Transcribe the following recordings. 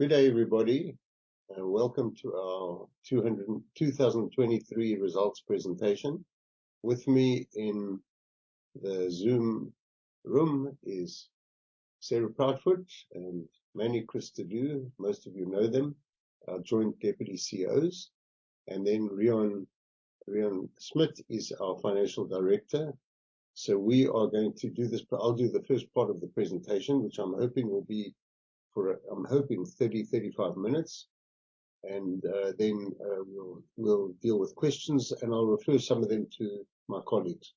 Good day, everybody, and welcome to our 2023 results presentation. With me in the Zoom room is Sarah Proudfoot and Manny Cristaudo. Most of you know them, our Joint Deputy CEOs. Then Reon Smit is our Financial Director. We are going to do this, but I'll do the first part of the presentation, which I'm hoping will be for, I'm hoping 30-35 minutes. Then we'll deal with questions, and I'll refer some of them to my colleagues.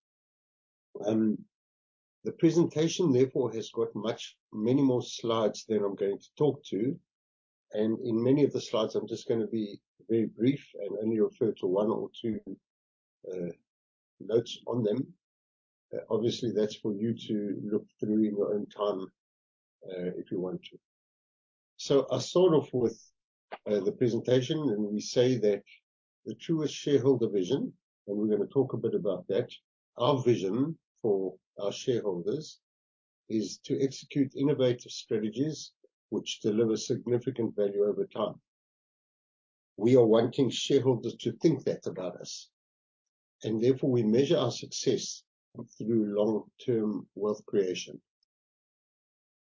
The presentation therefore has got many more slides than I'm going to talk to, and in many of the slides, I'm just gonna be very brief and only refer to one or two notes on them. Obviously, that's for you to look through in your own time, if you want to. So I'll start off with the presentation, and we say that the Truworths shareholder vision, and we're gonna talk a bit about that. Our vision for our shareholders is to execute innovative strategies which deliver significant value over time. We are wanting shareholders to think that about us, and therefore we measure our success through long-term wealth creation.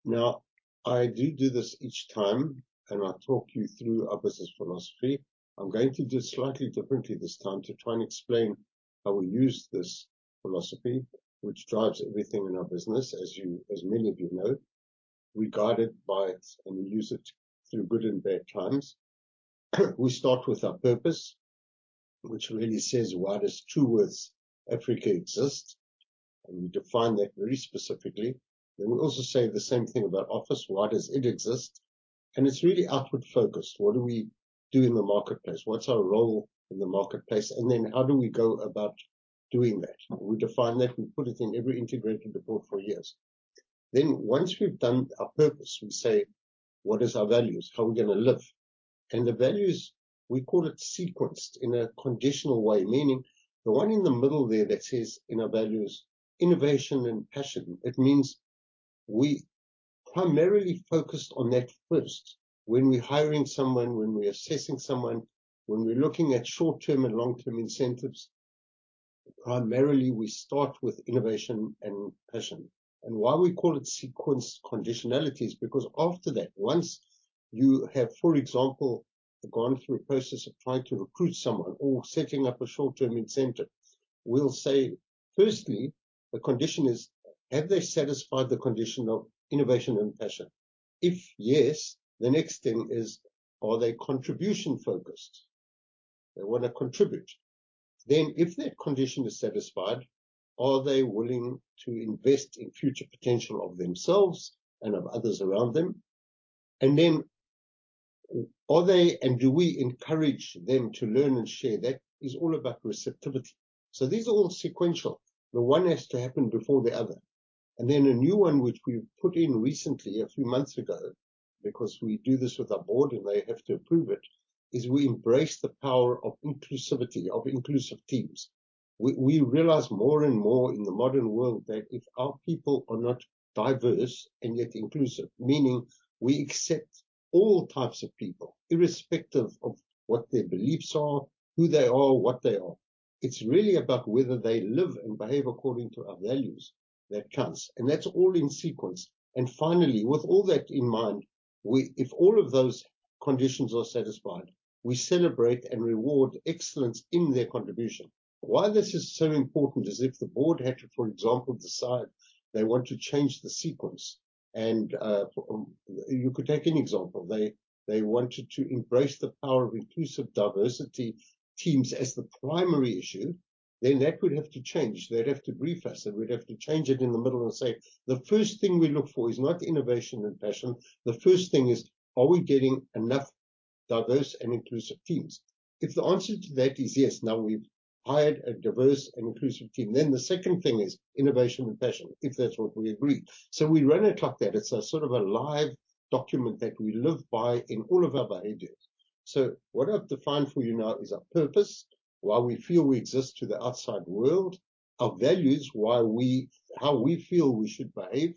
Now, I do do this each time, and I talk you through our business philosophy. I'm going to do it slightly differently this time to try and explain how we use this philosophy, which drives everything in our business, as many of you know. We guide it by it and use it through good and bad times. We start with our purpose, which really says, why does Truworths Africa exist? And we define that very specifically. Then we also say the same thing about Office, why does it exist? It's really outward-focused. What do we do in the marketplace? What's our role in the marketplace? Then how do we go about doing that? We define that. We put it in every integrated report for years. Then once we've done our purpose, we say, "What is our values? How are we gonna live?" And the values, we call it sequenced in a conditional way, meaning the one in the middle there that says in our values, innovation and passion. It means we primarily focus on that first when we're hiring someone, when we're assessing someone, when we're looking at short-term and long-term incentives, primarily, we start with innovation and passion. Why we call it sequence conditionalities, because after that, once you have, for example, gone through a process of trying to recruit someone or setting up a short-term incentive, we'll say, firstly, the condition is: have they satisfied the condition of innovation and passion? If yes, the next thing is: are they contribution-focused? They wanna contribute. Then if that condition is satisfied, are they willing to invest in future potential of themselves and of others around them? And then are they, and do we encourage them to learn and share? That is all about receptivity. So these are all sequential, the one has to happen before the other. And then a new one, which we've put in recently, a few months ago, because we do this with our board and they have to approve it, is we embrace the power of inclusivity, of inclusive teams. We, we realize more and more in the modern world that if our people are not diverse and yet inclusive, meaning we accept all types of people, irrespective of what their beliefs are, who they are, what they are, it's really about whether they live and behave according to our values, that counts, and that's all in sequence. And finally, with all that in mind, we, if all of those conditions are satisfied, we celebrate and reward excellence in their contribution. Why this is so important is if the board had to, for example, decide they want to change the sequence, and, you could take any example. They, they wanted to embrace the power of inclusive diversity teams as the primary issue, then that would have to change. They'd have to brief us, and we'd have to change it in the middle and say, "The first thing we look for is not innovation and passion. The first thing is, are we getting enough diverse and inclusive teams?" If the answer to that is yes, now we've hired a diverse and inclusive team. Then the second thing is innovation and passion, if that's what we agreed. So we run it like that. It's a sort of a live document that we live by in all of our behaviors. So what I've defined for you now is our purpose, why we feel we exist to the outside world, our values, why we, how we feel we should behave.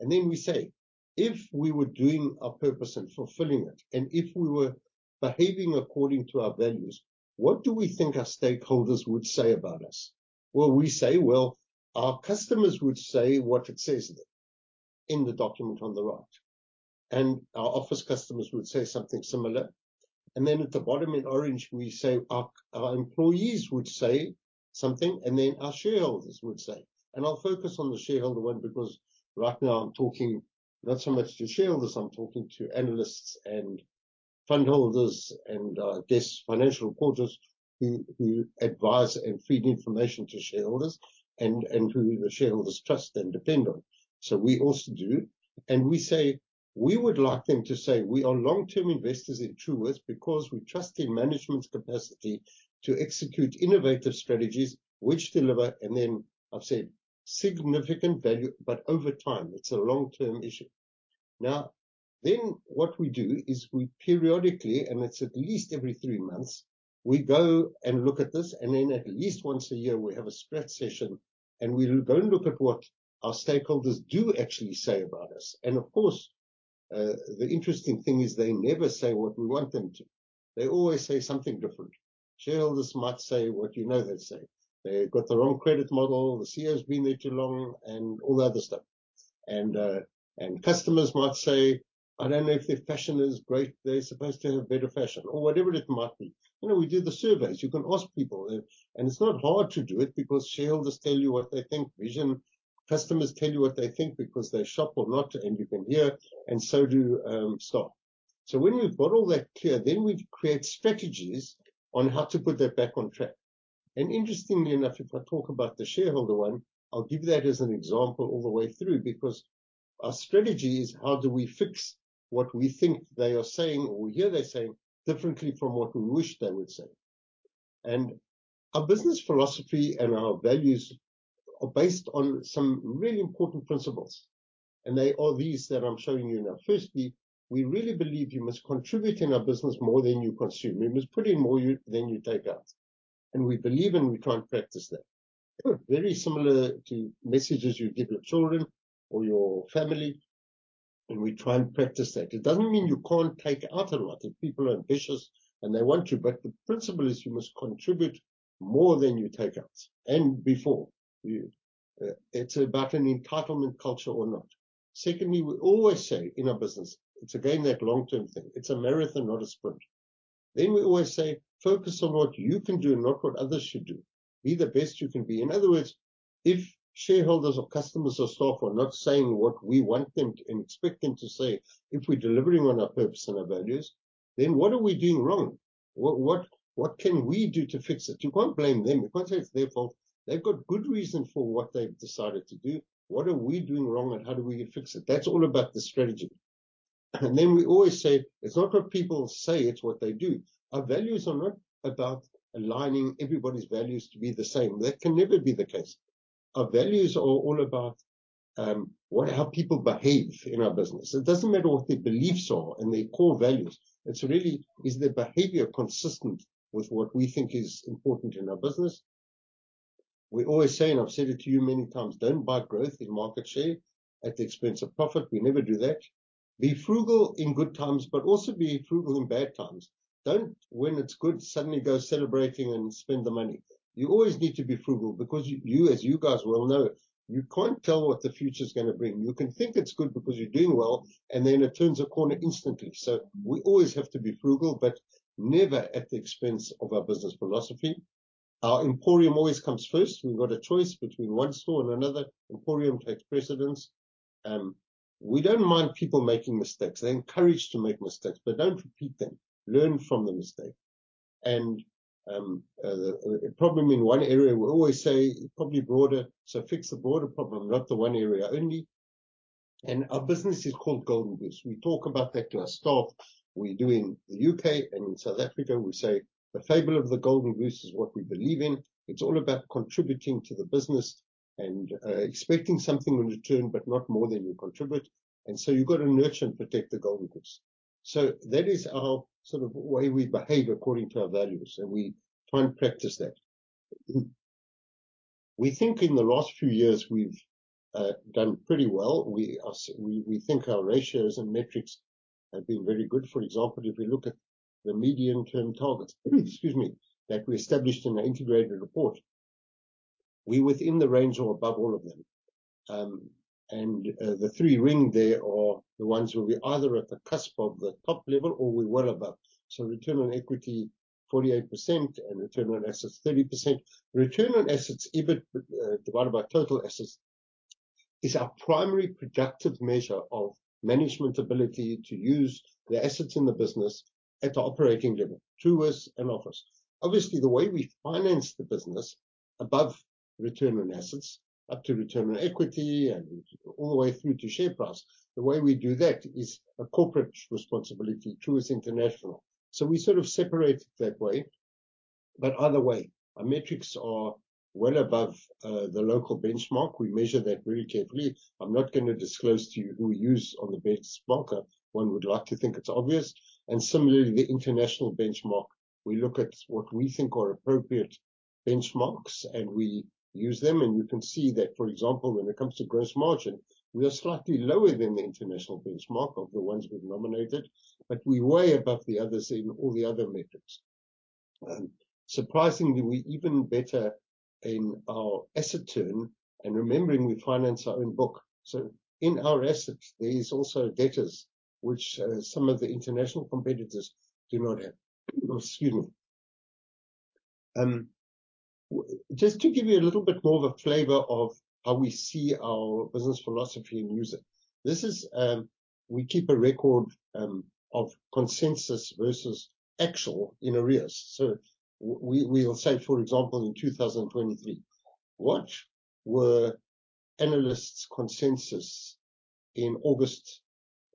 And then we say, "If we were doing our purpose and fulfilling it, and if we were behaving according to our values, what do we think our stakeholders would say about us?" Well, we say, well, our customers would say what it says there in the document on the right, and our Office customers would say something similar. And then at the bottom in orange, we say our, our employees would say something, and then our shareholders would say... And I'll focus on the shareholder one, because right now I'm talking not so much to shareholders, I'm talking to analysts and fund holders and, guest financial reporters, who advise and feed information to shareholders and who the shareholders trust and depend on. So we also do, and we say we would like them to say we are long-term investors in Truworths because we trust in management's capacity to execute innovative strategies which deliver, and then I've said, significant value, but over time. It's a long-term issue. Now, then what we do is we periodically, and it's at least every three months. We go and look at this, and then at least once a year, we have a spread session, and we go and look at what our stakeholders do actually say about us. And of course, the interesting thing is they never say what we want them to. They always say something different. Shareholders might say what you know they'd say. "They've got the wrong credit model, the CEO's been there too long," and all the other stuff. Customers might say, "I don't know if their fashion is great. They're supposed to have better fashion," or whatever it might be. You know, we do the surveys. You can ask people, and it's not hard to do it because shareholders tell you what they think. Customers tell you what they think because they shop or not, and you can hear, and so do staff. So when we've got all that clear, then we create strategies on how to put that back on track. And interestingly enough, if I talk about the shareholder one, I'll give you that as an example all the way through, because our strategy is how do we fix what we think they are saying or hear they're saying differently from what we wish they would say? Our business philosophy and our values are based on some really important principles, and they are these that I'm showing you now. Firstly, we really believe you must contribute in our business more than you consume. You must put in more than you take out, and we believe and we try and practice that. Very similar to messages you give your children or your family, and we try and practice that. It doesn't mean you can't take out a lot if people are ambitious and they want to, but the principle is you must contribute more than you take out and before you. It's about an entitlement culture or not. Secondly, we always say in our business, it's, again, that long-term thing, it's a marathon, not a sprint. Then we always say, "Focus on what you can do, not what others should do. Be the best you can be." In other words, if shareholders or customers or staff are not saying what we want them to and expect them to say, if we're delivering on our purpose and our values, then what are we doing wrong? What, what, what can we do to fix it? You can't blame them. You can't say it's their fault. They've got good reason for what they've decided to do. What are we doing wrong, and how do we fix it? That's all about the strategy. And then we always say, "It's not what people say, it's what they do." Our values are not about aligning everybody's values to be the same. That can never be the case. Our values are all about how people behave in our business. It doesn't matter what their beliefs are and their core values. It's really, is their behavior consistent with what we think is important in our business? We always say, and I've said it to you many times, "Don't buy growth in market share at the expense of profit." We never do that. Be frugal in good times, but also be frugal in bad times. Don't, when it's good, suddenly go celebrating and spend the money. You always need to be frugal because you, as you guys well know, you can't tell what the future's gonna bring. You can think it's good because you're doing well, and then it turns a corner instantly. So we always have to be frugal, but never at the expense of our business philosophy. Our Emporium always comes first. We've got a choice between one store and another, Emporium takes precedence. We don't mind people making mistakes. They're encouraged to make mistakes, but don't repeat them. Learn from the mistake. A problem in one area, we always say, "It's probably broader, so fix the broader problem, not the one area only." Our business is called Golden Goose. We talk about that to our staff. We do in the UK and in South Africa, we say, "The fable of the Golden Goose is what we believe in." It's all about contributing to the business and expecting something in return, but not more than you contribute, and so you've got to nurture and protect the Golden Goose. That is our sort of way we behave according to our values, and we try and practice that. We think in the last few years we've done pretty well. We think our ratios and metrics have been very good. For example, if we look at the medium-term targets, excuse me, that we established in the integrated report, we're within the range or above all of them. The three ring there are the ones where we're either at the cusp of the top level or we were above. So return on equity, 48%, and return on assets, 30%. Return on assets, EBIT divided by total assets, is our primary productive measure of management ability to use the assets in the business at the operating level, Truworths and Office. Obviously, the way we finance the business above return on assets, up to return on equity, and all the way through to share price, the way we do that is a corporate responsibility, Truworths International. So we sort of separate it that way, but either way, our metrics are well above the local benchmark. We measure that very carefully. I'm not gonna disclose to you who we use on the benchmark. One would like to think it's obvious. Similarly, the international benchmark, we look at what we think are appropriate benchmarks, and we use them, and you can see that, for example, when it comes to gross margin, we are slightly lower than the international benchmark of the ones we've nominated, but we're way above the others in all the other metrics. Surprisingly, we're even better in our asset turn and remembering we finance our own book. So in our assets, there is also debtors, which some of the international competitors do not have. Excuse me. Just to give you a little bit more of a flavor of how we see our business philosophy and use it. This is... We keep a record of consensus versus actual in arrears. So we, we'll say, for example, in 2023, what were analysts' consensus in August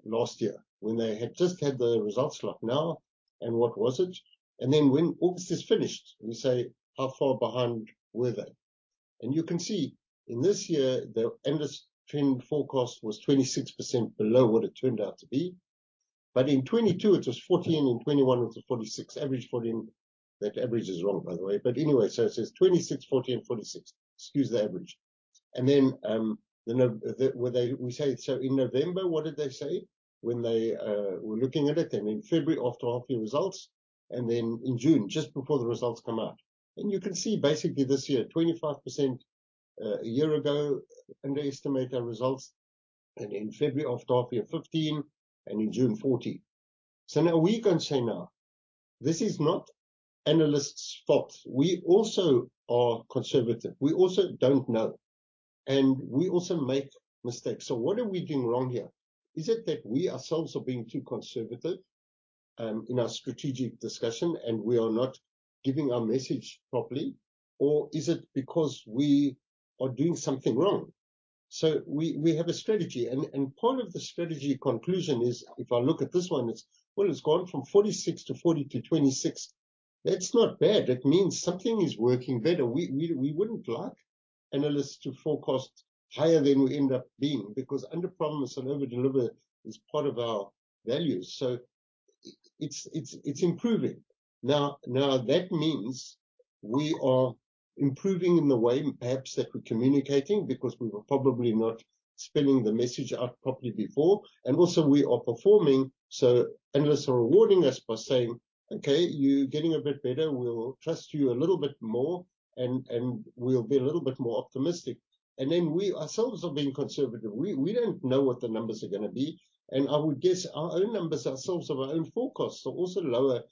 last year when they had just had the results like now, and what was it? And then when August is finished, we say, "How far behind were they?" And you can see in this year, the analyst trend forecast was 26% below what it turned out to be. But in 2022, it was 14, in 2021, it was 46. Average 14. That average is wrong, by the way, but anyway, so it says 26, 14, 46. Excuse the average. And then, in November, what did they say when they were looking at it, and in February, after half year results, and then in June, just before the results come out? You can see basically this year, 25%, a year ago, underestimate our results, and in February of half year, 15%, and in June, 14%. So now we can say now, this is not analysts' fault. We also are conservative. We also don't know, and we also make mistakes. So what are we doing wrong here? Is it that we ourselves are being too conservative, in our strategic discussion, and we are not giving our message properly, or is it because we are doing something wrong? So we have a strategy, and part of the strategy conclusion is, if I look at this one, it's... Well, it's gone from 46 to 40 to 26. That's not bad. That means something is working better. We wouldn't like analysts to forecast higher than we end up being, because under-promise and over-deliver is part of our values, so it's improving. Now, that means we are improving in the way perhaps that we're communicating, because we were probably not spelling the message out properly before, and also we are performing, so analysts are rewarding us by saying, "Okay, you're getting a bit better. We'll trust you a little bit more, and we'll be a little bit more optimistic." And then we ourselves are being conservative. We don't know what the numbers are gonna be, and I would guess our own numbers, ourselves, of our own forecasts are also lower,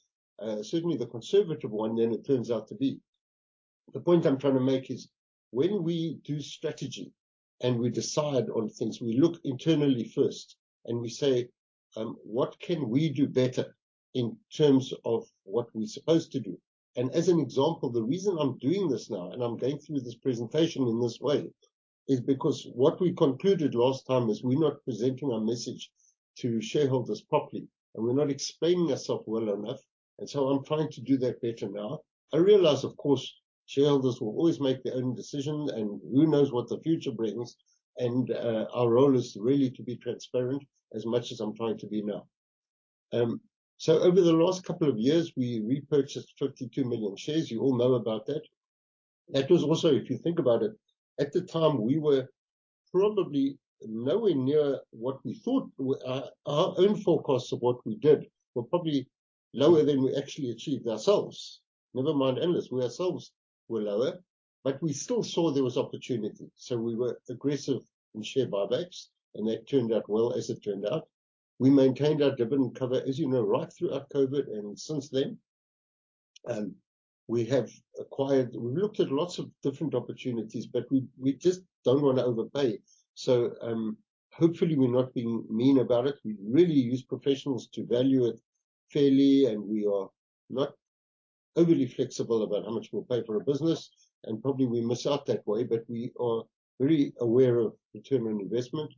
certainly the conservative one, than it turns out to be. The point I'm trying to make is when we do strategy and we decide on things, we look internally first, and we say, "What can we do better in terms of what we're supposed to do?" As an example, the reason I'm doing this now, and I'm going through this presentation in this way, is because what we concluded last time is we're not presenting our message to shareholders properly, and we're not explaining ourself well enough, and so I'm trying to do that better now. I realize, of course, shareholders will always make their own decision, and who knows what the future brings, and our role is really to be transparent as much as I'm trying to be now. So over the last couple of years, we repurchased 52 million shares. You all know about that. That was also, if you think about it, at the time, we were probably nowhere near what we thought. Our own forecasts of what we did were probably lower than we actually achieved ourselves. Never mind analysts, we ourselves were lower, but we still saw there was opportunity, so we were aggressive in share buybacks, and that turned out well, as it turned out. We maintained our dividend cover, as you know, right throughout COVID and since then. We have acquired... We looked at lots of different opportunities, but we just don't want to overpay. So, hopefully, we're not being mean about it. We really use professionals to value it fairly, and we are not overly flexible about how much we'll pay for a business, and probably we miss out that way, but we are very aware of return on investment.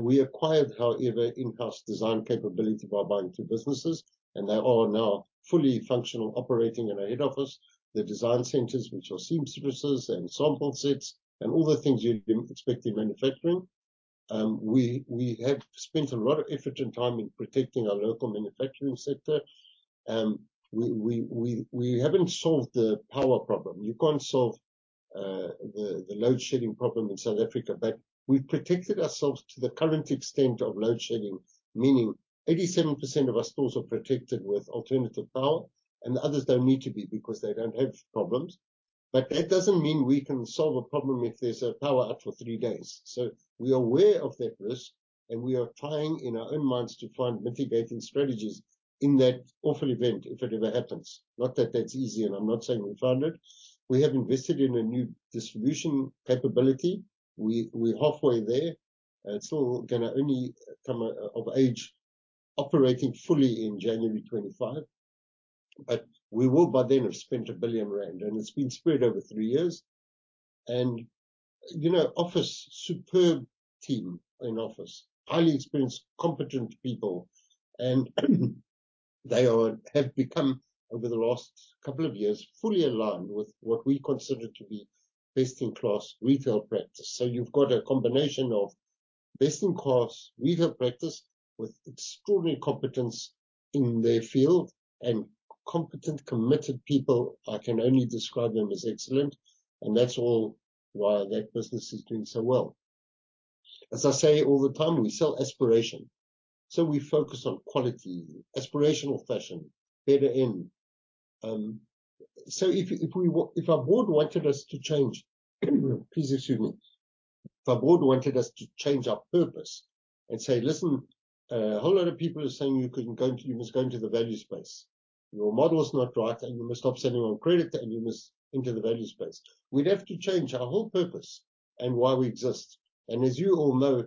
We acquired, however, in-house design capability by buying two businesses, and they are now fully functional, operating in our head office. The design centers, which are seamstresses and sample sets, and all the things you'd expect in manufacturing. We have spent a lot of effort and time in protecting our local manufacturing sector. We haven't solved the power problem. You can't solve the load-shedding problem in South Africa, but we've protected ourselves to the current extent of load-shedding, meaning 87% of our stores are protected with alternative power, and the others don't need to be because they don't have problems. But that doesn't mean we can solve a problem if there's a power out for three days. So we are aware of that risk, and we are trying in our own minds to find mitigating strategies in that awful event, if it ever happens. Not that that's easy, and I'm not saying we found it. We have invested in a new distribution capability. We, we're halfway there. It's still gonna only come of age, operating fully in January 2025, but we will by then have spent 1 billion rand, and it's been spread over three years. And, you know, Office, superb team in Office. Highly experienced, competent people, and they have become, over the last couple of years, fully aligned with what we consider to be best-in-class retail practice. So you've got a combination of best-in-class retail practice with extraordinary competence in their field, and competent, committed people. I can only describe them as excellent, and that's all why that business is doing so well. As I say all the time, we sell aspiration, so we focus on quality, aspirational fashion, better end. So if our board wanted us to change... Please excuse me. If our board wanted us to change our purpose and say, "Listen, a whole lot of people are saying you must go into the value space. Your model is not right, and you must stop selling on credit, and you must enter the value space." We'd have to change our whole purpose and why we exist. And as you all know,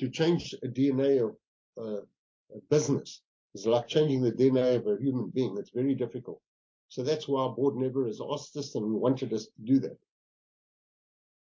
to change the DNA of a business is like changing the DNA of a human being. It's very difficult. So that's why our board never has asked us and wanted us to do that.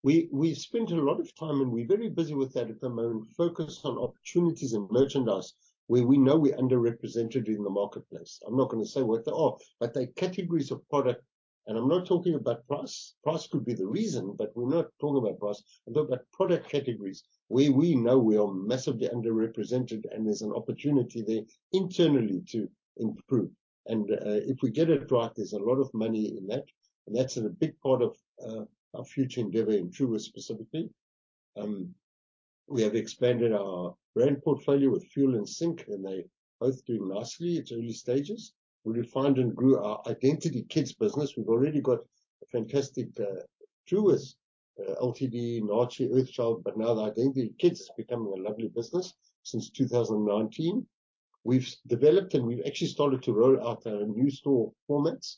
We spent a lot of time, and we're very busy with that at the moment, focused on opportunities and merchandise where we know we're underrepresented in the marketplace. I'm not gonna say what they are, but they're categories of product. And I'm not talking about price. Price could be the reason, but we're not talking about price. I'm talking about product categories where we know we are massively underrepresented, and there's an opportunity there internally to improve. And if we get it right, there's a lot of money in that, and that's a big part of our future endeavor in Truworths specifically. We have expanded our brand portfolio with Fuel and Sync, and they're both doing nicely. It's early stages. We refined and grew our Identity Kids business. We've already got a fantastic Truworths LTD Naartjie Earthchild, but now the Identity Kids is becoming a lovely business since 2019. We've developed, and we've actually started to roll out our new store formats.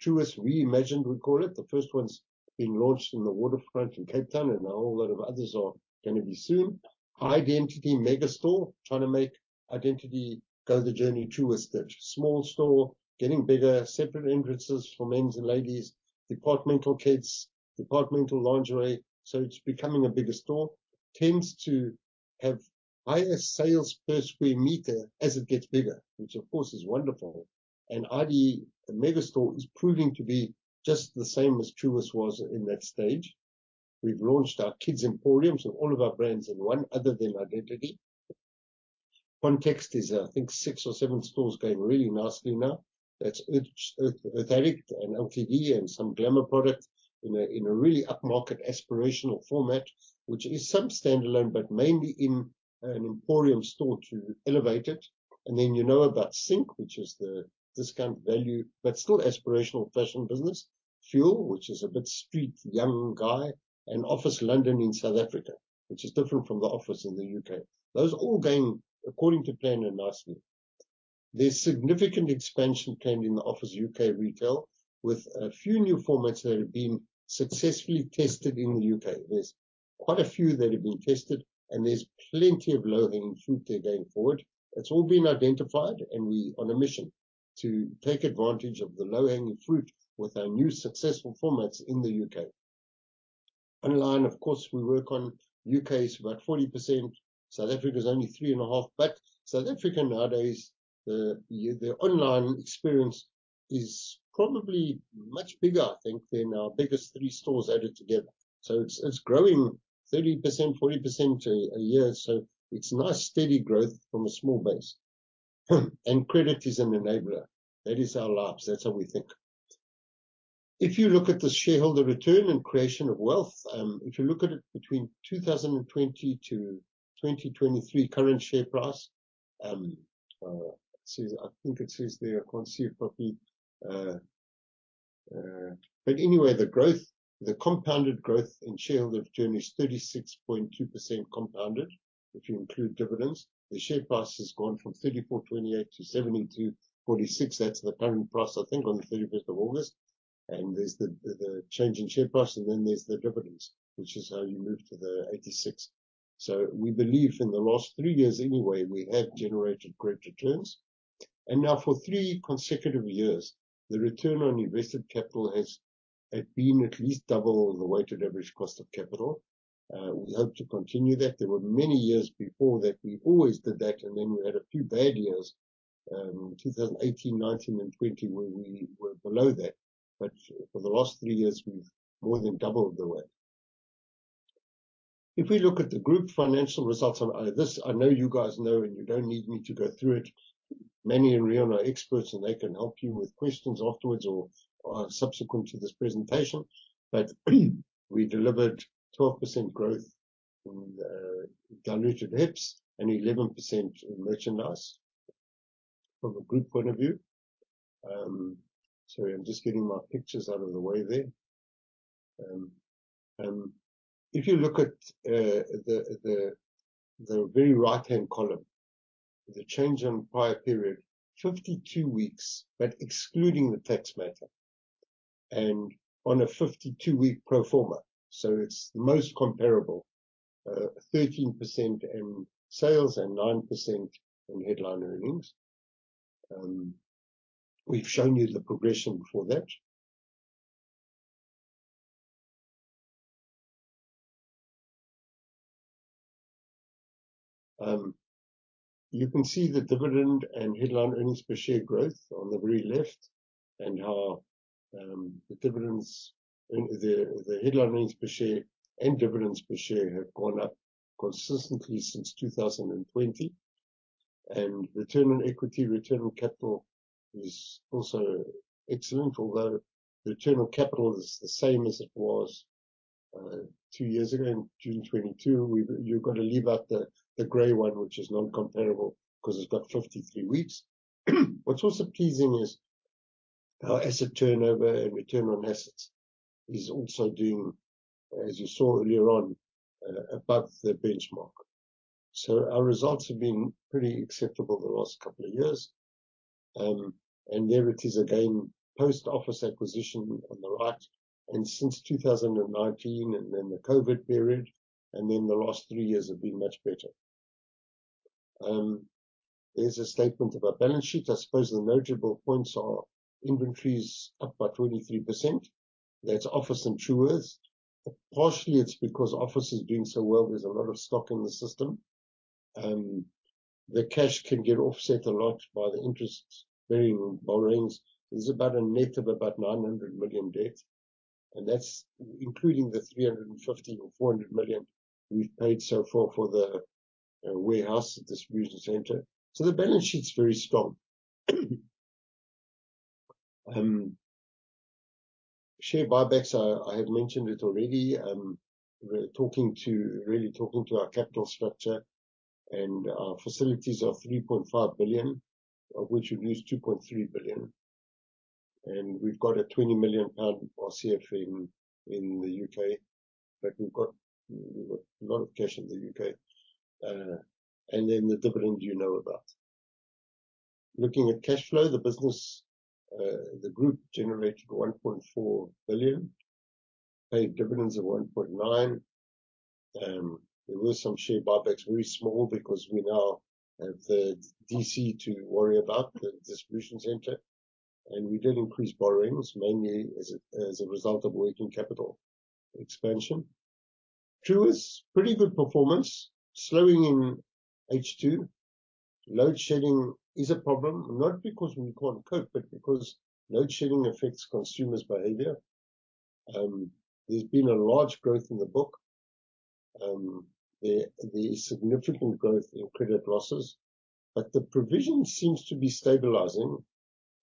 Truworths Reimagined, we call it. The first one's been launched in the Waterfront in Cape Town, and a whole lot of others are gonna be soon. Identity Megastore, trying to make Identity go the journey Truworths did. Small store, getting bigger, separate entrances for men's and ladies, departmental kids, departmental lingerie, so it's becoming a bigger store. Tends to have higher sales per square meter as it gets bigger, which of course, is wonderful. Identity Megastore is proving to be just the same as Truworths was in that stage. We've launched our kids emporiums with all of our brands in one, other than Identity. Context is, I think, six or seven stores going really nicely now. That's Earthchild, Earthchild Direct and LTD and some glamour product in a really upmarket aspirational format, which is some standalone, but mainly in an emporium store to elevate it. And then you know about Sync, which is the discount value, but still aspirational fashion business. Fuel, which is a bit street, young guy, and Office London in South Africa, which is different from the Office in the UK. Those are all going according to plan and nicely. There's significant expansion planned in the Office UK retail, with a few new formats that have been successfully tested in the UK. There's quite a few that have been tested, and there's plenty of low-hanging fruit there going forward. It's all been identified, and we're on a mission to take advantage of the low-hanging fruit with our new successful formats in the UK. Online, of course, we work on... UK is about 40%, South Africa is only 3.5%. But South Africa, nowadays, the online experience is probably much bigger, I think, than our biggest three stores added together. So it's growing 30%, 40% a year, so it's nice, steady growth from a small base. And credit is an enabler. That is our lives. That's how we think. If you look at the shareholder return and creation of wealth, if you look at it between 2020 to 2023, current share price, it says... I think it says there, I can't see it properly. But anyway, the growth, the compounded growth in shareholder return is 36.2% compounded, if you include dividends. The share price has gone from 34.28 to 72.46. That's the current price, I think, on the 31st of August. And there's the change in share price, and then there's the dividends, which is how you move to the 86. So we believe in the last three years anyway, we have generated great returns. Now for three consecutive years, the return on invested capital has been at least double the weighted average cost of capital. We hope to continue that. There were many years before that, we always did that, and then we had a few bad years, 2018, 2019 and 2020, where we were below that. But for the last three years, we've more than doubled the way. If we look at the group financial results on this, I know you guys know, and you don't need me to go through it. Many in the room are experts, and they can help you with questions afterwards or subsequent to this presentation. But we delivered 12% growth in the diluted EPS and 11% in merchandise from a group point of view. Sorry, I'm just getting my pictures out of the way there. If you look at the very right-hand column, the change on prior period, 52 weeks, but excluding the tax matter, and on a 52-week pro forma, so it's the most comparable. 13% in sales and 9% in headline earnings. We've shown you the progression for that. You can see the dividend and headline earnings per share growth on the very left, and how the dividends and the headline earnings per share and dividends per share have gone up consistently since 2020. And return on equity, return on capital is also excellent, although return on capital is the same as it was two years ago in June 2022. You've got to leave out the gray one, which is non-comparable, 'cause it's got 53 weeks. What's also pleasing is our asset turnover and return on assets is also doing, as you saw earlier on, above the benchmark. So our results have been pretty acceptable the last couple of years. And there it is again, post-Office acquisition on the right, and since 2019, and then the COVID period, and then the last three years have been much better. There's a statement of our balance sheet. I suppose the notable points are: inventory is up by 23%. That's Office and Truworths. Partially, it's because Office is doing so well, there's a lot of stock in the system. The cash can get offset a lot by the interest-bearing borrowings. There's about a net of about 900 million debt, and that's including the 350 million or 400 million we've paid so far for the warehouse distribution center. So the balance sheet's very strong. Share buybacks, I have mentioned it already. We're talking to... really talking to our capital structure, and our facilities are 3.5 billion, of which we've used 2.3 billion. And we've got a 20 million pound RCF in the UK, but we've got a lot of cash in the UK. And then the dividend you know about. Looking at cash flow, the business, the group generated 1.4 billion, paid dividends of 1.9 billion. There were some share buybacks, very small, because we now have the DC to worry about, the distribution center. And we did increase borrowings, mainly as a, as a result of working capital expansion. Truworths, pretty good performance, slowing in H2. Load shedding is a problem, not because we can't cope, but because load shedding affects consumers' behavior. There's been a large growth in the book. There, there's significant growth in credit losses, but the provision seems to be stabilizing.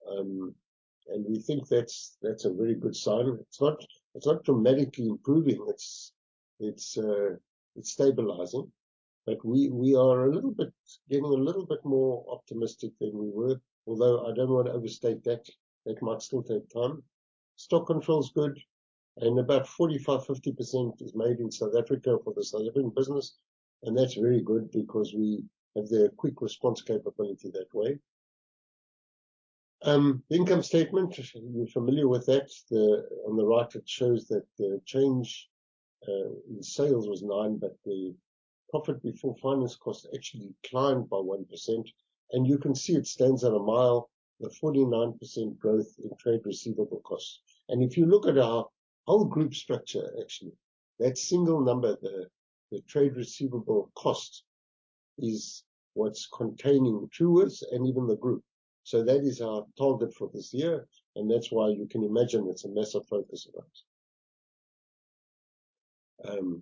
And we think that's, that's a very good sign. It's not, it's not dramatically improving. It's, it's, it's stabilizing, but we, we are a little bit getting a little bit more optimistic than we were, although I don't want to overstate that. That might still take time. Stock control is good, and about 45-50% is made in South Africa for the South African business, and that's very good because we have the quick response capability that way. Income statement, if you're familiar with that. On the right, it shows that the change in sales was 9, but the profit before finance costs actually climbed by 1%, and you can see it stands out a mile, the 49% growth in trade receivable costs. And if you look at our whole group structure, actually, that single number, the trade receivable cost, is what's containing Truworths and even the group. So that is our target for this year, and that's why you can imagine it's a massive focus of ours.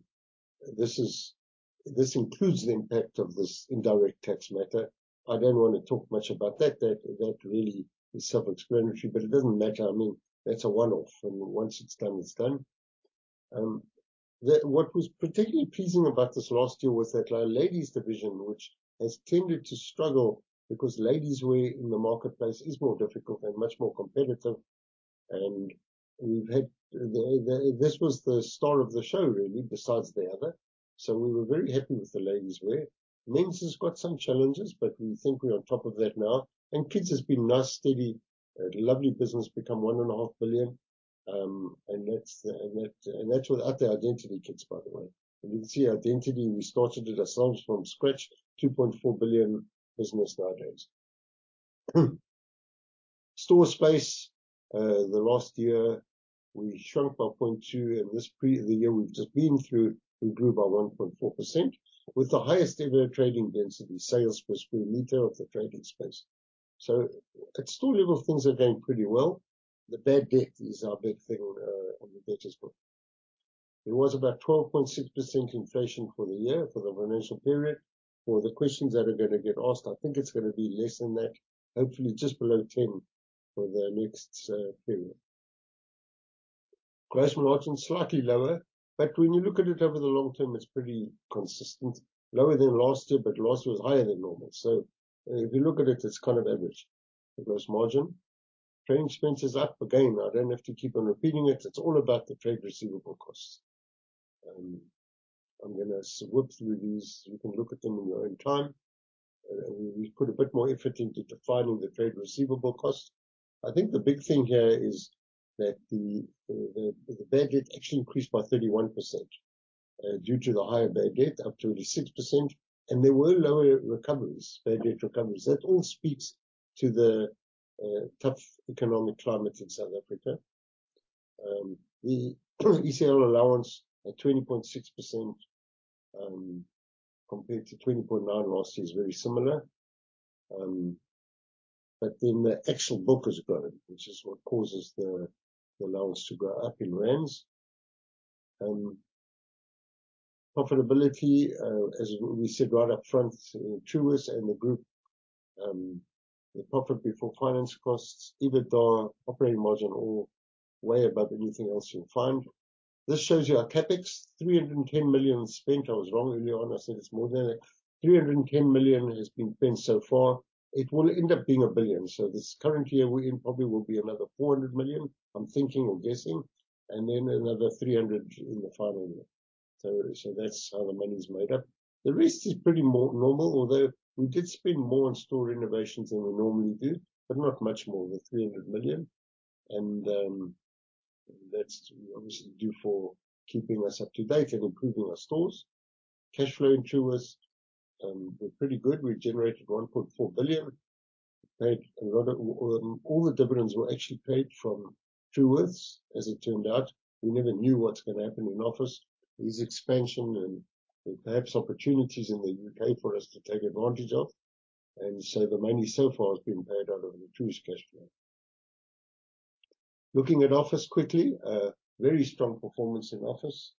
This includes the impact of this indirect tax matter. I don't want to talk much about that. That really is self-explanatory, but it doesn't matter. I mean, that's a one-off, and once it's done, it's done. The... What was particularly pleasing about this last year was that our ladies division, which has tended to struggle because ladieswear in the marketplace is more difficult and much more competitive, and we've had the... This was the star of the show, really, besides the other. So we were very happy with the ladieswear. Men's has got some challenges, but we think we're on top of that now. And kids has been nice, steady, lovely business, become 1.5 billion. And that's without the Identity Kids, by the way. And you can see Identity, we started it ourselves from scratch, 2.4 billion business nowadays. Store space, the last year we shrunk by 0.2%, and this, the year we've just been through, we grew by 1.4% with the highest ever trading density, sales per square meter of the trading space. So at store level, things are going pretty well. The bad debt is our big thing, on the debtors book. There was about 12.6% inflation for the year, for the financial period. For the questions that are gonna get asked, I think it's gonna be less than that, hopefully just below 10% for the next, period. Gross margin, slightly lower, but when you look at it over the long term, it's pretty consistent. Lower than last year, but last year was higher than normal. So if you look at it, it's kind of average, the gross margin. Trading expense is up. Again, I don't have to keep on repeating it. It's all about the trade receivable costs. I'm gonna whip through these. You can look at them in your own time. We put a bit more effort into defining the trade receivable cost. I think the big thing here is that the bad debt actually increased by 31%. Due to the higher bad debt, up to 60%, and there were lower recoveries, bad debt recoveries. That all speaks to the tough economic climate in South Africa. The ECL allowance at 20.6%, compared to 20.9% last year, is very similar. But then the actual book has grown, which is what causes the allowance to go up in rands. Profitability, as we said right up front, Truworths and the group, the profit before finance costs, EBITDA, operating margin, all way above anything else you'll find. This shows you our CapEx, 310 million spent. I was wrong earlier on. I said it's more than that. 310 million has been spent so far. It will end up being 1 billion. So this current year we're in probably will be another 400 million, I'm thinking or guessing, and then another 300 million in the final year. So, so that's how the money's made up. The rest is pretty more normal, although we did spend more on store renovations than we normally do, but not much more than 300 million. That's obviously due for keeping us up to date and improving our stores. Cash flow in Truworths were pretty good. We generated 1.4 billion, paid a lot of, all the dividends were actually paid from Truworths, as it turned out. We never knew what's gonna happen in Office. There's expansion and perhaps opportunities in the UK for us to take advantage of, and so the money so far has been paid out of the Truworths cash flow. Looking at Office quickly, very strong performance in Office.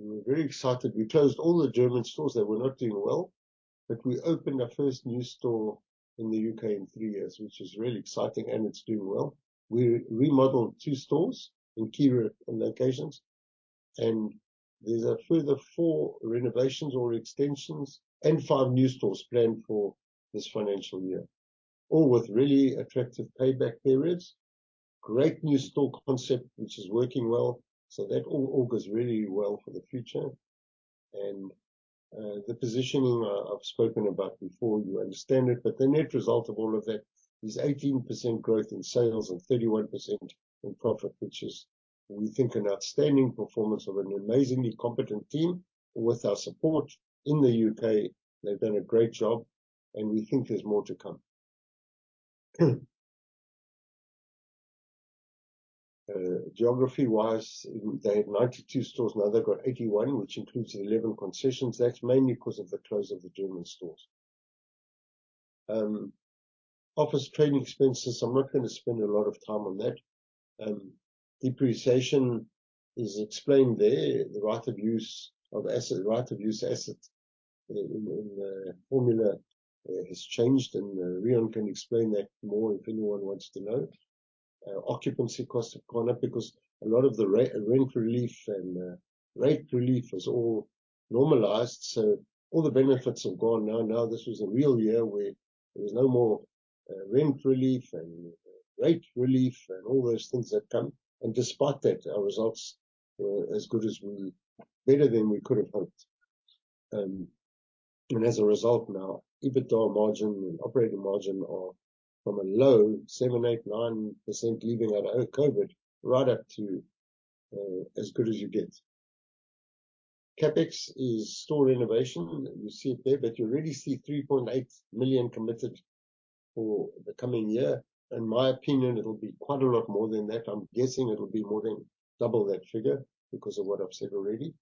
We're very excited. We closed all the German stores that were not doing well, but we opened our first new store in the UK in three years, which is really exciting, and it's doing well. We remodeled two stores in key locations, and there's a further four renovations or extensions and five new stores planned for this financial year, all with really attractive payback periods. Great new store concept, which is working well, so that all, all goes really well for the future. And, the positioning, I've spoken about before, you understand it, but the net result of all of that is 18% growth in sales and 31% in profit, which is, we think, an outstanding performance of an amazingly competent team. With our support in the UK, they've done a great job, and we think there's more to come. Geography-wise, they had 92 stores, now they've got 81, which includes 11 concessions. That's mainly because of the close of the German stores. Office trading expenses, I'm not going to spend a lot of time on that. Depreciation is explained there. The right-of-use asset... Right-of-Use Asset in the formula has changed, and Reon can explain that more if anyone wants to know. Occupancy costs have gone up because a lot of the rent relief and rate relief was all normalized. So all the benefits have gone now. Now, this was a real year where there was no more rent relief and rate relief and all those things that come. And despite that, our results were as good as we... Better than we could have hoped. And as a result now, EBITDA margin and operating margin are from a low 7, 8, 9%, leaving out our COVID, right up to as good as you get. CapEx is store renovation. You see it there, but you already see 3.8 million committed for the coming year. In my opinion, it'll be quite a lot more than that. I'm guessing it'll be more than double that figure because of what I've said already.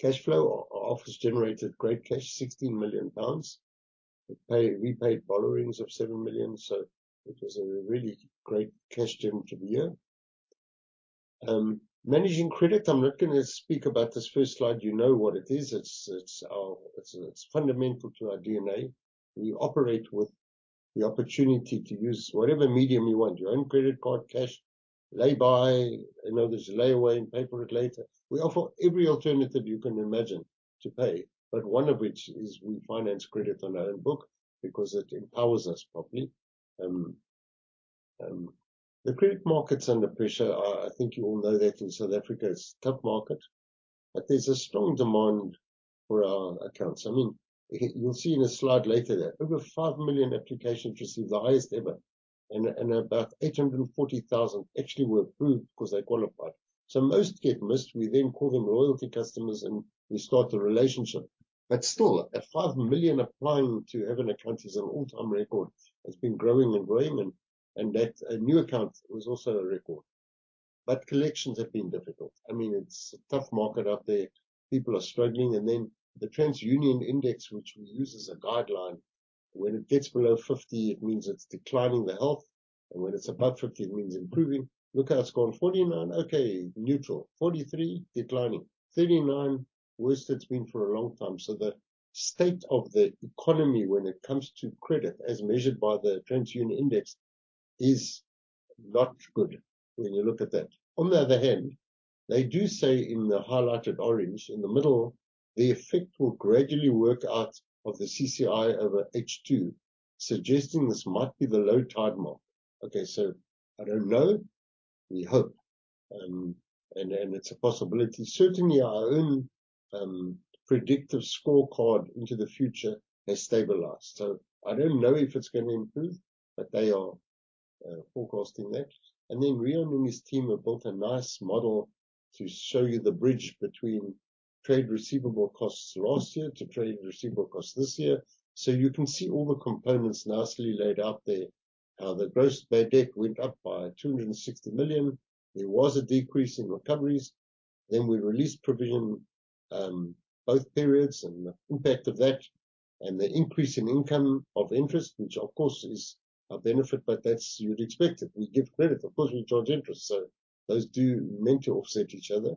Cash flow. Office generated great cash, 16 million pounds. We paid, repaid borrowings of 7 million, so it was a really great cash generative year. Managing credit, I'm not gonna speak about this first slide. You know what it is. It's, it's our—it's, it's fundamental to our DNA. We operate with the opportunity to use whatever medium you want, your own credit card, cash, lay-by. I know there's layaway and pay for it later. We offer every alternative you can imagine to pay, but one of which is we finance credit on our own book because it empowers us properly. The credit market's under pressure. I think you all know that in South Africa, it's a tough market, but there's a strong demand for our accounts. I mean, you'll see in a slide later that over 5 million applications received, the highest ever, and, and about 840,000 actually were approved because they qualified. So most get missed. We then call them loyalty customers, and we start a relationship. But still, at 5 million applying to have an account is an all-time record. It's been growing and growing, and, and that... A new account was also a record. But collections have been difficult. I mean, it's a tough market out there. People are struggling, and then the TransUnion index, which we use as a guideline, when it gets below 50, it means it's declining the health, and when it's above 50, it means improving. Look how it's gone. 49, okay, neutral. 43, declining. 39, worst it's been for a long time. So the state of the economy when it comes to credit, as measured by the TransUnion index, is not good when you look at that. On the other hand, they do say in the highlighted orange in the middle, "The effect will gradually work out of the CCI over H2, suggesting this might be the low tide mark." Okay, so I don't know. We hope, and it's a possibility. Certainly, our own predictive scorecard into the future has stabilized, so I don't know if it's gonna improve, but they are forecasting that. And then Reon and his team have built a nice model to show you the bridge between trade receivable costs last year to trade receivable costs this year. So you can see all the components nicely laid out there. The gross bad debt went up by 260 million. There was a decrease in recoveries. Then we released provision, both periods and the impact of that, and the increase in income of interest, which of course, is a benefit, but that's... You'd expect it. We give credit. Of course, we charge interest, so those are meant to offset each other.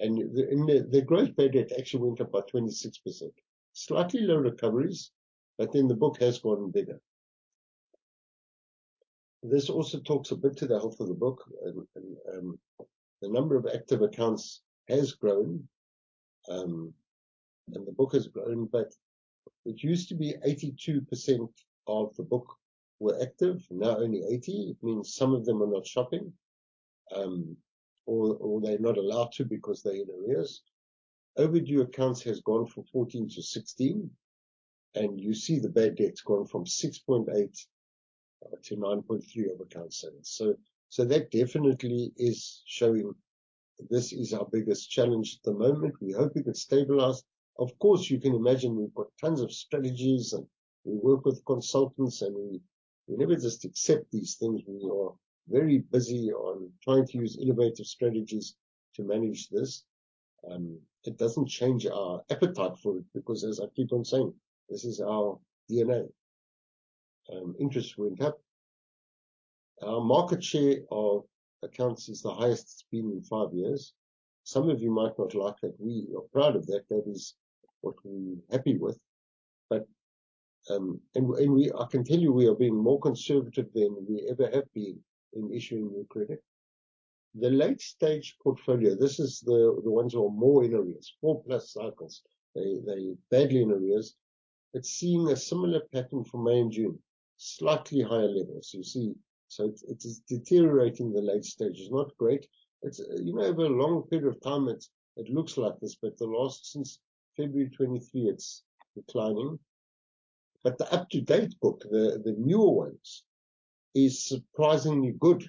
And the, and the, the gross bad debt actually went up by 26%. Slightly low recoveries, but then the book has gotten bigger. This also talks a bit to the health of the book, and, and, the number of active accounts has grown, and the book has grown, but it used to be 82% of the book were active, now only 80%. It means some of them are not shopping, or, or they're not allowed to because they're in arrears. Overdue accounts has gone from 14 to 16, and you see the bad debts going from 6.8 to 9.3 over account sales. So, so that definitely is showing this is our biggest challenge at the moment. We hope it will stabilize. Of course, you can imagine we've got tons of strategies, and we work with consultants, and we, we never just accept these things. We are very busy on trying to use innovative strategies to manage this. It doesn't change our appetite for it, because as I keep on saying, this is our DNA. Interest went up. Our market share of accounts is the highest it's been in 5 years. Some of you might not like that we are proud of that. That is what we're happy with. But, I can tell you we are being more conservative than we ever have been in issuing new credit. The late-stage portfolio, this is the ones who are more in arrears, four-plus cycles. They, they're badly in arrears. It's seeing a similar pattern for May and June, slightly higher levels, you see. So it is deteriorating the late stage. It's not great. It's... You know, over a long period of time, it looks like this, but the last since February 2023, it's declining. But the up-to-date book, the newer ones, is surprisingly good.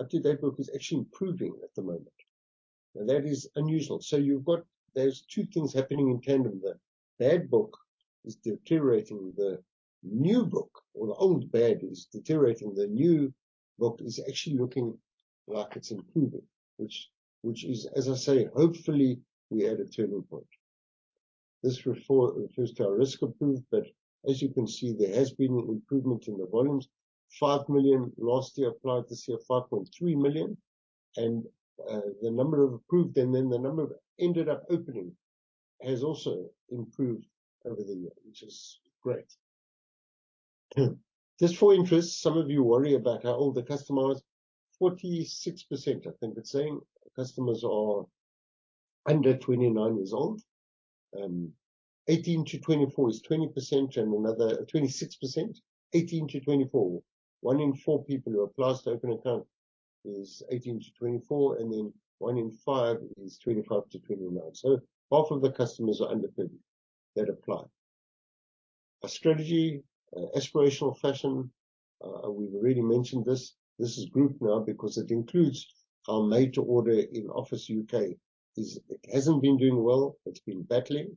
Up-to-date book is actually improving at the moment, and that is unusual. So you've got. There's two things happening in tandem. The bad book is deteriorating. The new book or the old bad is deteriorating. The new book is actually looking like it's improving, which is, as I say, hopefully we are at a turning point. This refers to our risk approved, but as you can see, there has been improvement in the volumes. 5 million last year applied this year, 5.3 million, and the number of approved and then the number of ended up opening has also improved over the year, which is great. Just for interest, some of you worry about how old the customer is. 46%, I think it's saying, customers are under 29 years old. 18-24 is 20% and another 26%, 18-24. One in four people who applies to open account is 18-24, and then one in five is 25-29. So half of the customers are under 30 that apply. Our strategy, aspirational fashion, we've already mentioned this. This is group now because it includes our made-to-order in Office U.K. It hasn't been doing well. It's been battling.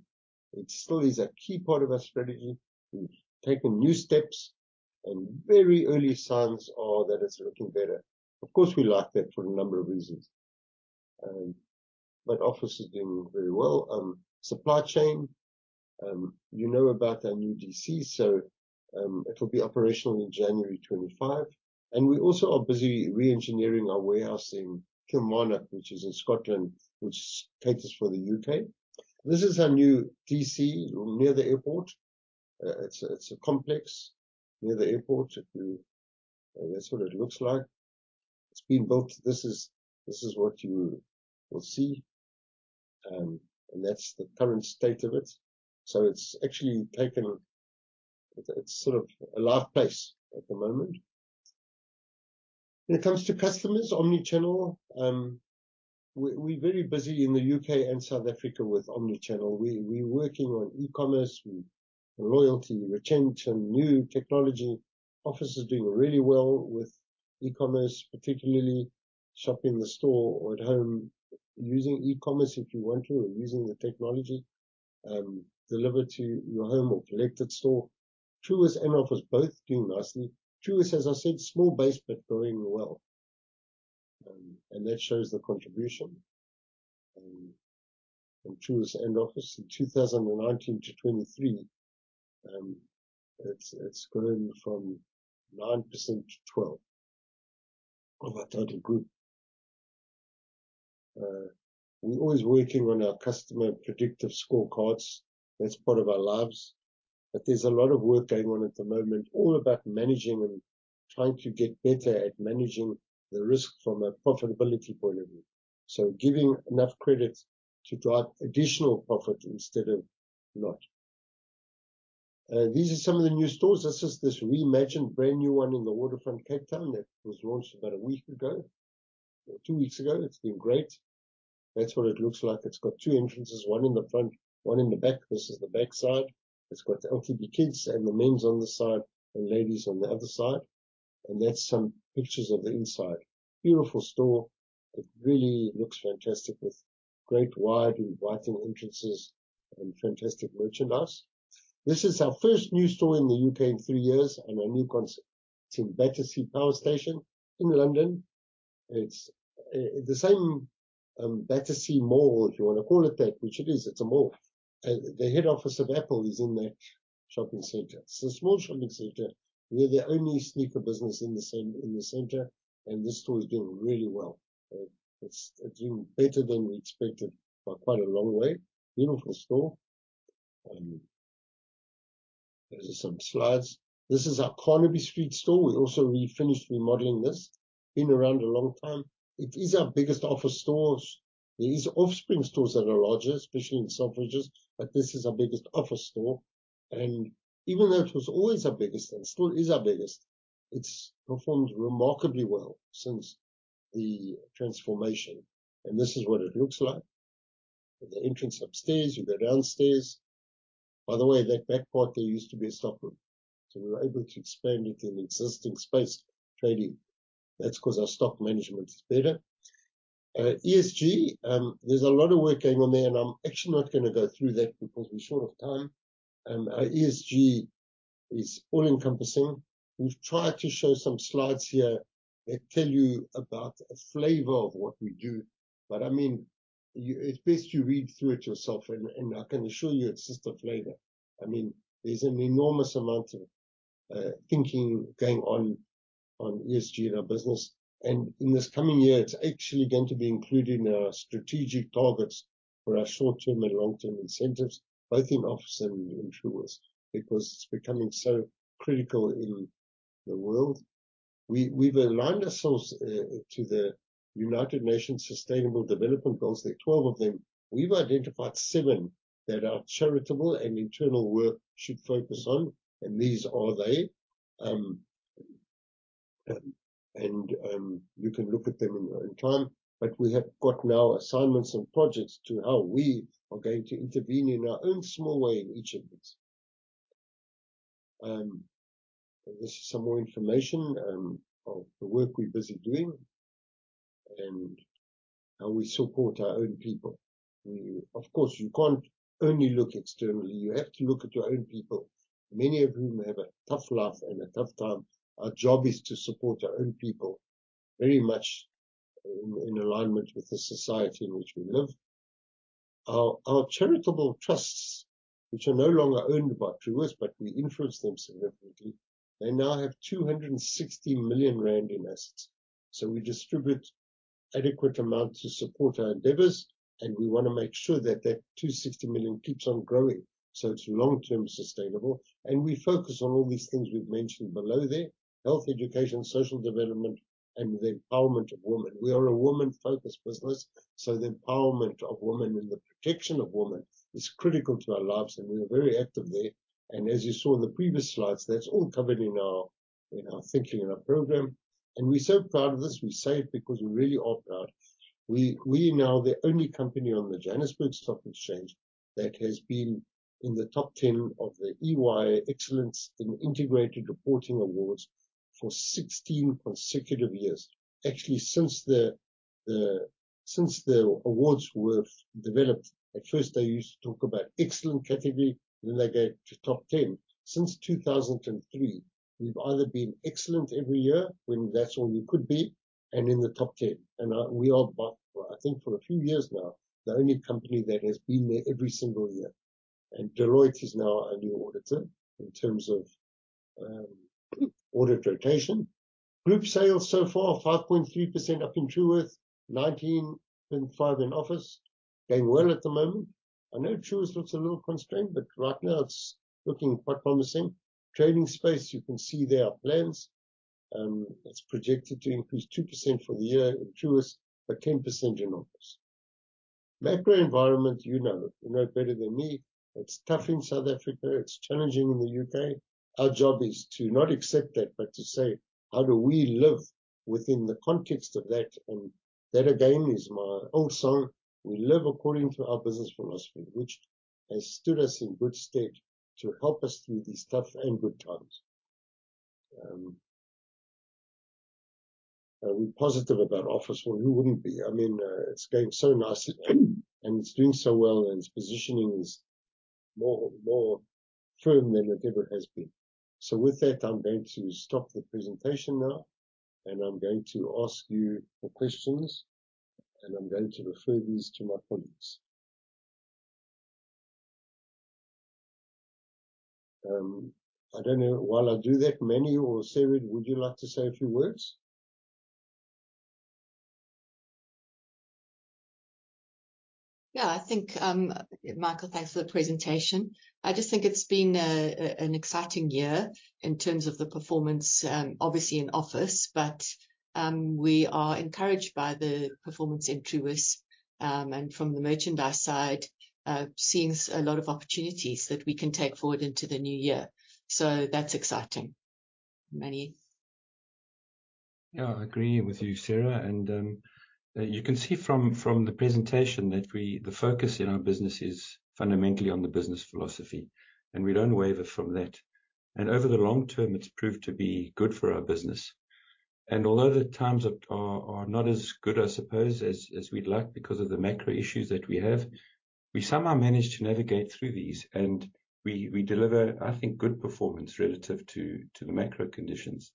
It still is a key part of our strategy. We've taken new steps, and very early signs are that it's looking better. Of course, we like that for a number of reasons. But Office is doing very well. Supply chain, you know about our new DC, so, it'll be operational in January 2025. And we also are busy reengineering our warehouse in Kilmarnock, which is in Scotland, which caters for the U.K. This is our new DC near the airport. It's a complex near the airport. That's what it looks like. It's been built. This is what you will see, and that's the current state of it. So it's actually taken. It's sort of a live pace at the moment. When it comes to customers, omnichannel, we're very busy in the U.K. and South Africa with omnichannel. We're working on e-commerce, loyalty, retention, new technology. Office is doing really well with e-commerce, particularly shop in the store or at home, using e-commerce if you want to, or using the technology, delivered to your home or collected store. Truworths and Office both doing nicely. Truworths, as I said, small base, but growing well. That shows the contribution from Truworths and Office in 2019 to 2023. It's grown from 9% to 12% of our total group. We're always working on our customer predictive scorecards. That's part of our lives. But there's a lot of work going on at the moment, all about managing and trying to get better at managing the risk from a profitability point of view. So giving enough credit to drive additional profit instead of not. These are some of the new stores. This is this reimagined, brand-new one in the Waterfront, Cape Town that was launched about a week ago or two weeks ago. It's been great. That's what it looks like. It's got two entrances, one in the front, one in the back. This is the backside. It's got the LTD Kids and the men's on this side and ladies on the other side, and that's some pictures of the inside. Beautiful store. It really looks fantastic with great wide inviting entrances and fantastic merchandise. This is our first new store in the U.K. in three years and a new concept in Battersea Power Station in London. It's the same Battersea Mall, if you want to call it that, which it is. It's a mall. The head office of Apple is in that shopping center. It's a small shopping center. We're the only sneaker business in the center, and this store is doing really well. It's doing better than we expected by quite a long way. Beautiful store. Those are some slides. This is our Carnaby Street store. We also refinished, remodeling this. Been around a long time. It is our biggest Office stores. There are Offspring stores that are larger, especially in Selfridges, but this is our biggest Office store, and even though it was always our biggest and still is our biggest, it's performed remarkably well since the transformation, and this is what it looks like. At the entrance upstairs, you go downstairs. By the way, that back part there used to be a stock room, so we were able to expand it in existing space trading. That's because our stock management is better. ESG, there's a lot of work going on there, and I'm actually not gonna go through that because we're short of time. Our ESG is all-encompassing. We've tried to show some slides here that tell you about a flavor of what we do, but, I mean, you, it's best you read through it yourself, and I can assure you it's just a flavor. I mean, there's an enormous amount of thinking going on, on ESG in our business, and in this coming year, it's actually going to be included in our strategic targets for our short-term and long-term incentives, both in Office and in Truworths, because it's becoming so critical in the world. We've aligned ourselves to the United Nations Sustainable Development Goals. There are 12 of them. We've identified 7 that our charitable and internal work should focus on, and these are they. You can look at them in your own time, but we have got now assignments and projects to how we are going to intervene in our own small way in each of these. This is some more information of the work we're busy doing and how we support our own people. We... Of course, you can't only look externally, you have to look at your own people, many of whom have a tough life and a tough time. Our job is to support our own people, very much in alignment with the society in which we live. Our charitable trusts, which are no longer owned by Truworths, but we influence them significantly, they now have 260 million rand in assets. So we distribute adequate amount to support our endeavors, and we wanna make sure that that 260 million keeps on growing, so it's long-term sustainable. We focus on all these things we've mentioned below there: health, education, social development, and the empowerment of women. We are a woman-focused business, so the empowerment of women and the protection of women is critical to our lives, and we are very active there. As you saw in the previous slides, that's all covered in our thinking and our program. We're so proud of this. We say it because we really are proud. We are now the only company on the Johannesburg Stock Exchange that has been in the top 10 of the EY Excellence in Integrated Reporting Awards for 16 consecutive years. Actually, since the awards were developed. At first, they used to talk about excellent category, and then they went to top 10. Since 2003, we've either been excellent every year when that's all we could be, and in the top 10. We are, I think for a few years now, the only company that has been there every single year. Deloitte is now our new auditor in terms of audit rotation. Group sales so far, 5.3% up in Truworths, 19.5% in Office. Going well at the moment. I know Truworths looks a little constrained, but right now it's looking quite promising. Trading space, you can see there are plans, it's projected to increase 2% for the year in Truworths, but 10% in Office. Macro environment, you know it. You know it better than me. It's tough in South Africa. It's challenging in the UK. Our job is to not accept that, but to say: How do we live within the context of that? And that, again, is my old song. We live according to our business philosophy, which has stood us in good stead to help us through these tough and good times. We're positive about Office, well, who wouldn't be? I mean, it's going so nicely, and it's doing so well, and its positioning is more, more firm than it ever has been. So with that, I'm going to stop the presentation now, and I'm going to ask you for questions, and I'm going to refer these to my colleagues. I don't know... While I do that, Manny or Sarah, would you like to say a few words? Yeah, I think, Michael, thanks for the presentation. I just think it's been an exciting year in terms of the performance, obviously in Office, but we are encouraged by the performance in Truworths, and from the merchandise side, seeing a lot of opportunities that we can take forward into the new year. So that's exciting. Manny? Yeah, I agree with you, Sarah, and you can see from the presentation that the focus in our business is fundamentally on the business philosophy, and we don't waver from that. And over the long term, it's proved to be good for our business. And although the times are not as good, I suppose, as we'd like because of the macro issues that we have, we somehow manage to navigate through these, and we deliver, I think, good performance relative to the macro conditions.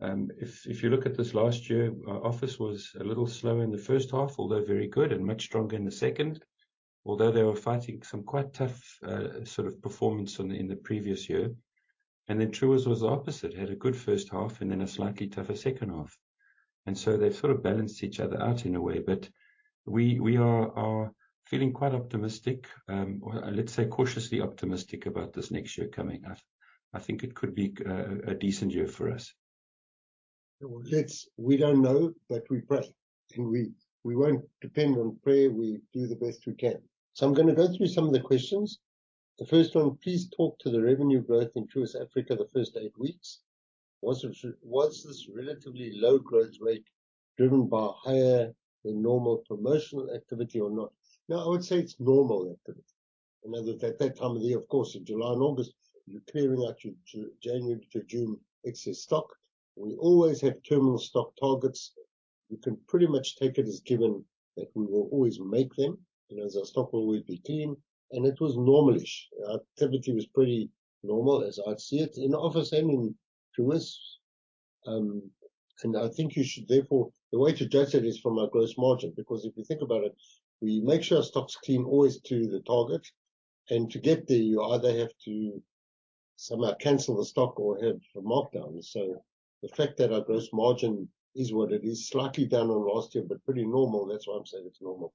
If you look at this last year, our Office was a little slow in the first half, although very good and much stronger in the second. Although they were fighting some quite tough sort of performance in the previous year. And then Truworths was the opposite, had a good first half and then a slightly tougher second half. And so they've sort of balanced each other out in a way. But we are feeling quite optimistic, or let's say cautiously optimistic about this next year coming. I think it could be a decent year for us. Well, we don't know, but we pray, and we won't depend on prayer. We do the best we can. So I'm gonna go through some of the questions. The first one, please talk to the revenue growth in Truworths Africa, the first eight weeks. Was this relatively low growth rate driven by higher than normal promotional activity or not? No, I would say it's normal activity. You know, that at that time of the year, of course, in July and August, you're clearing out your January to June excess stock. We always have terminal stock targets. You can pretty much take it as given that we will always make them, and our stock will always be clean, and it was normal-ish. Our activity was pretty normal as I'd see it in Office and in Truworths. And I think you should therefore, the way to judge it is from our gross margin, because if you think about it, we make sure our stock's clean always to the target. And to get there, you either have to somehow cancel the stock or have a markdown. So the fact that our gross margin is what it is, slightly down on last year, but pretty normal, that's why I'm saying it's normal.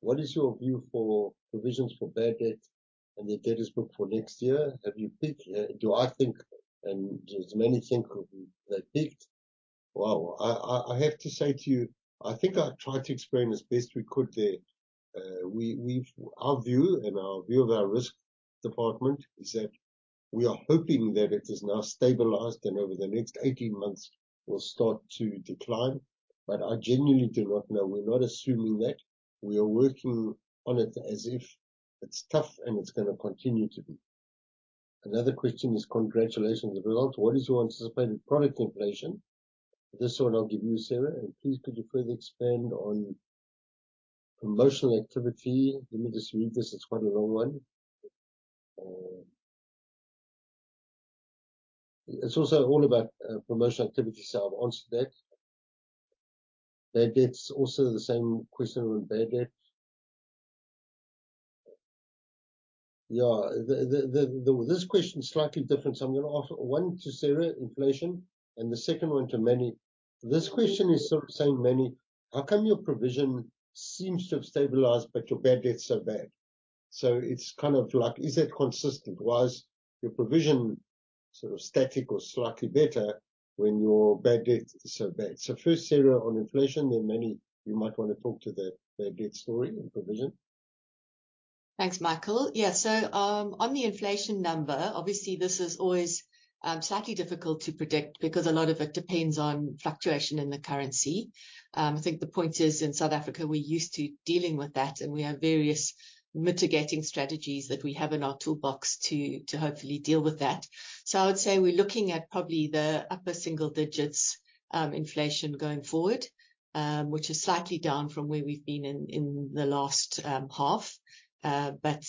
What is your view for provisions for bad debt and the debtors book for next year? Have you peaked? Do I think, and does Manny think they've peaked? Well, I have to say to you, I think I tried to explain as best we could there. We've... Our view and our view of our risk department is that we are hoping that it is now stabilized, and over the next 18 months will start to decline. But I genuinely do not know. We're not assuming that. We are working on it as if it's tough and it's gonna continue to be. Another question is: Congratulations on the results. What is your anticipated product inflation? This one I'll give you, Sarah. And please could you further expand on promotional activity? Let me just read this. It's quite a long one. It's also all about, promotional activity, so I'll answer that. Bad debts, also the same question on bad debts. Yeah. This question is slightly different, so I'm gonna offer one to Sarah, inflation, and the second one to Manny. This question is sort of saying, Manny, how come your provision seems to have stabilized, but your bad debt is so bad? So it's kind of like, is that consistent? Why is your provision sort of static or slightly better when your bad debt is so bad? So first, Sarah, on inflation, then, Manny, you might want to talk to the bad debt story and provision. Thanks, Michael. Yeah, so, on the inflation number, obviously, this is always slightly difficult to predict because a lot of it depends on fluctuation in the currency. I think the point is, in South Africa, we're used to dealing with that, and we have various mitigating strategies that we have in our toolbox to hopefully deal with that. So I would say we're looking at probably the upper single digits inflation going forward, which is slightly down from where we've been in the last half. But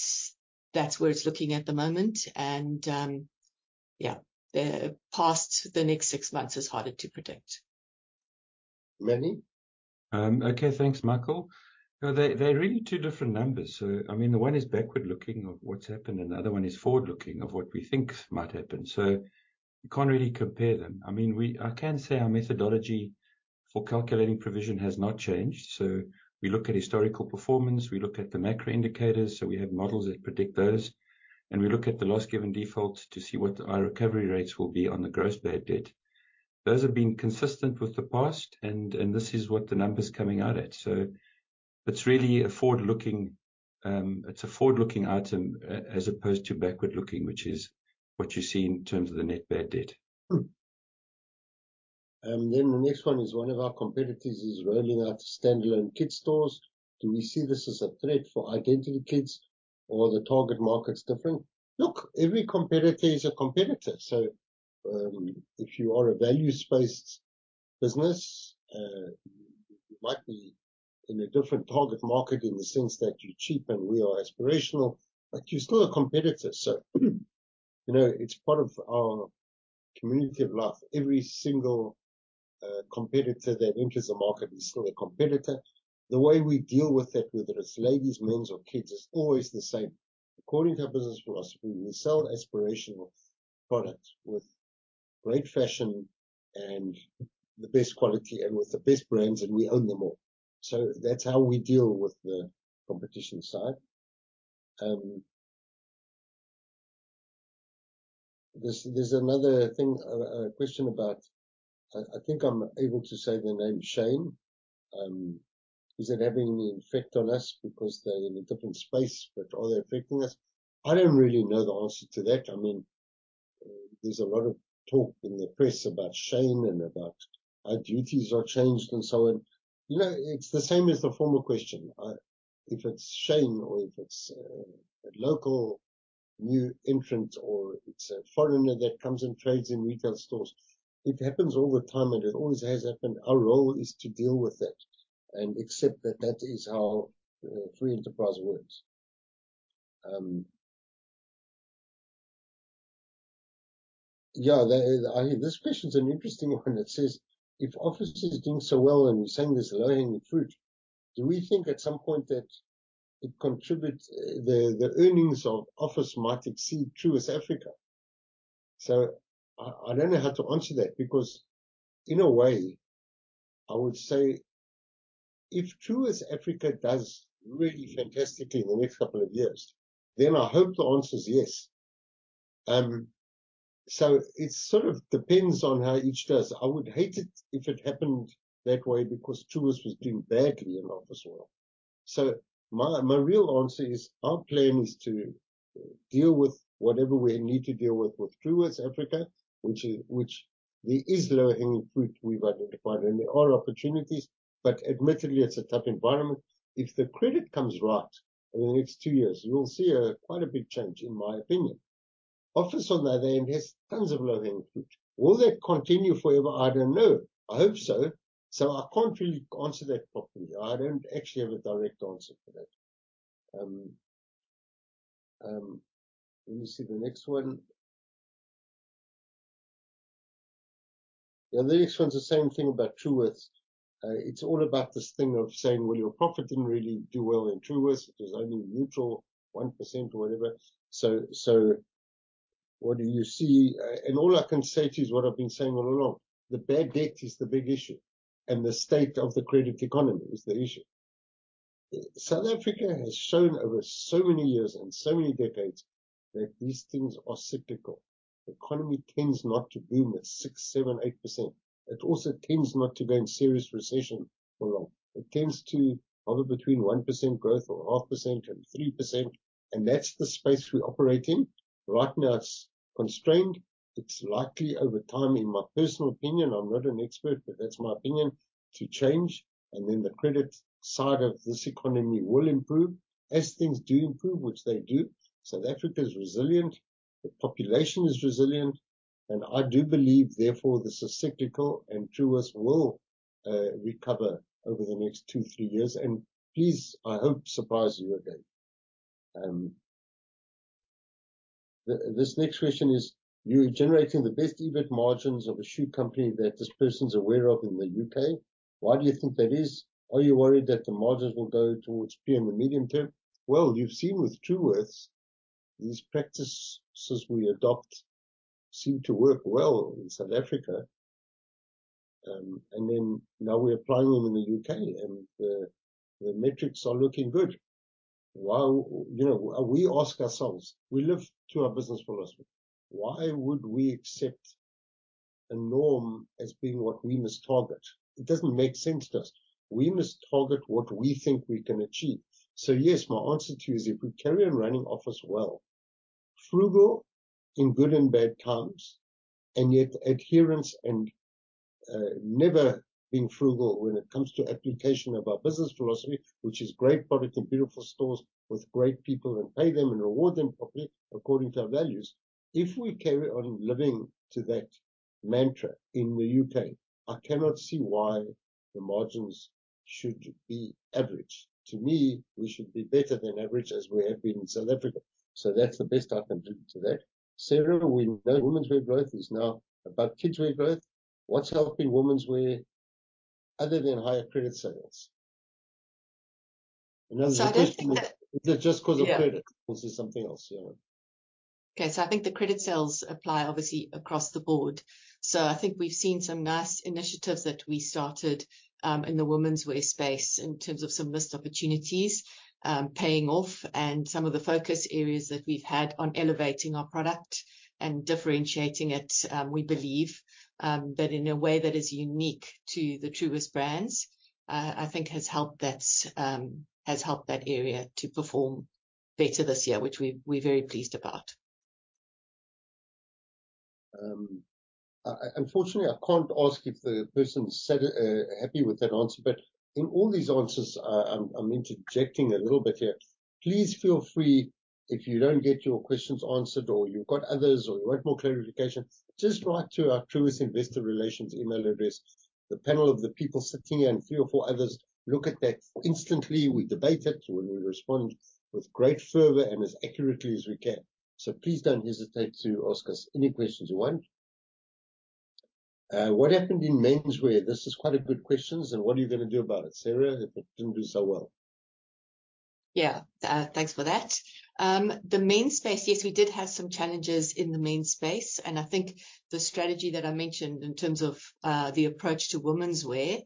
that's where it's looking at the moment, and yeah, the next six months is harder to predict. Manny? Okay. Thanks, Michael. They, they're really two different numbers. So, I mean, the one is backward-looking of what's happened, and the other one is forward-looking of what we think might happen, so you can't really compare them. I mean, I can say our methodology for calculating provision has not changed. So we look at historical performance, we look at the macro indicators, so we have models that predict those. And we look at the loss given default to see what our recovery rates will be on the gross bad debt. Those have been consistent with the past, and, and this is what the number's coming out at. So it's really a forward-looking, it's a forward-looking item, as opposed to backward-looking, which is what you see in terms of the net bad debt. And then the next one is: One of our competitors is rolling out standalone kids stores. Do we see this as a threat for Identity Kids or the target market's different? Look, every competitor is a competitor, so, if you are a value-based business, you might be in a different target market in the sense that you're cheap and we are aspirational, but you're still a competitor. So, you know, it's part of our community of life. Every single, competitor that enters the market is still a competitor. The way we deal with that, whether it's ladies, men's, or kids, is always the same. According to our business philosophy, we sell aspirational products with great fashion and the best quality and with the best brands, and we own them all. So that's how we deal with the competition side. There's another thing, question about... I think I'm able to say the name Shein. Is it having any effect on us? Because they're in a different space, but are they affecting us? I don't really know the answer to that. I mean, there's a lot of talk in the press about Shein and about how duties are changed and so on. You know, it's the same as the former question. If it's Shein or if it's, a local new entrant, or it's a foreigner that comes and trades in retail stores, it happens all the time, and it always has happened. Our role is to deal with it and accept that that is how, free enterprise works. Yeah, this question is an interesting one. It says: If Office is doing so well, and you're saying there's low-hanging fruit, do we think at some point that it contributes, the earnings of Office might exceed Truworths Africa? So I don't know how to answer that, because in a way, I would say if Truworths Africa does really fantastically in the next couple of years, then I hope the answer is yes. So it sort of depends on how each does. I would hate it if it happened that way because Truworths was doing badly in Office Wear. So my real answer is, our plan is to deal with whatever we need to deal with, with Truworths Africa, which there is low-hanging fruit we've identified, and there are opportunities, but admittedly, it's a tough environment. If the credit comes right in the next two years, you will see a quite a big change in my opinion. Office, on the other hand, has tons of low-hanging fruit. Will that continue forever? I don't know. I hope so. So I can't really answer that properly. I don't actually have a direct answer for that. Let me see the next one. Yeah, the next one's the same thing about Truworths. It's all about this thing of saying, "Well, your profit didn't really do well in Truworths. It was only neutral, 1% or whatever." So, so what do you see? And all I can say to you is what I've been saying all along, the bad debt is the big issue, and the state of the credit economy is the issue. South Africa has shown over so many years and so many decades that these things are cyclical. The economy tends not to boom at 6, 7, 8%. It also tends not to go in serious recession for long. It tends to hover between 1% growth or half percent and 3%, and that's the space we operate in. Right now, it's constrained. It's likely over time, in my personal opinion, I'm not an expert, but that's my opinion, to change, and then the credit side of this economy will improve as things do improve, which they do. South Africa is resilient, the population is resilient, and I do believe, therefore, this is cyclical, and Truworths will, recover over the next 2, 3 years, and please, I hope, surprise you again. This next question is, you're generating the best EBIT margins of a shoe company that this person's aware of in the UK. Why do you think that is? Are you worried that the margins will go towards the mean in the medium term? Well, you've seen with Truworths, these practices we adopt seem to work well in South Africa. And then now we're applying them in the UK, and the metrics are looking good. You know, we ask ourselves, we live to our business philosophy, why would we accept a norm as being what we must target? It doesn't make sense to us. We must target what we think we can achieve. So, yes, my answer to you is if we carry on running Office well, frugal in good and bad times, and yet adherence and never being frugal when it comes to application of our business philosophy, which is great product and beautiful stores with great people, and pay them and reward them properly according to our values. If we carry on living to that mantra in the UK, I cannot see why the margins should be average. To me, we should be better than average, as we have been in South Africa. So that's the best I can do to that. Sarah, we know womenswear growth is now about kids wear growth. What's helping womenswear other than higher credit sales? So I don't think that- Is it just because of credit- Yeah. -or is it something else, you know? Okay, so I think the credit sales apply obviously across the board. So I think we've seen some nice initiatives that we started in the womenswear space in terms of some missed opportunities paying off and some of the focus areas that we've had on elevating our product and differentiating it. We believe that in a way that is unique to the Truworths brands, I think has helped that has helped that area to perform better this year, which we, we're very pleased about. Unfortunately, I can't ask if the person's happy with that answer, but in all these answers, I'm interjecting a little bit here. Please feel free if you don't get your questions answered or you've got others or you want more clarification, just write to our Truworths Investor Relations email address. The panel of the people sitting here and three or four others look at that instantly. We debate it, and we respond with great fervor and as accurately as we can. So please don't hesitate to ask us any questions you want. What happened in menswear? This is quite a good question, so what are you gonna do about it, Sarah, if it didn't do so well? Yeah, thanks for that. The men's space, yes, we did have some challenges in the men's space, and I think the strategy that I mentioned in terms of the approach to womenswear,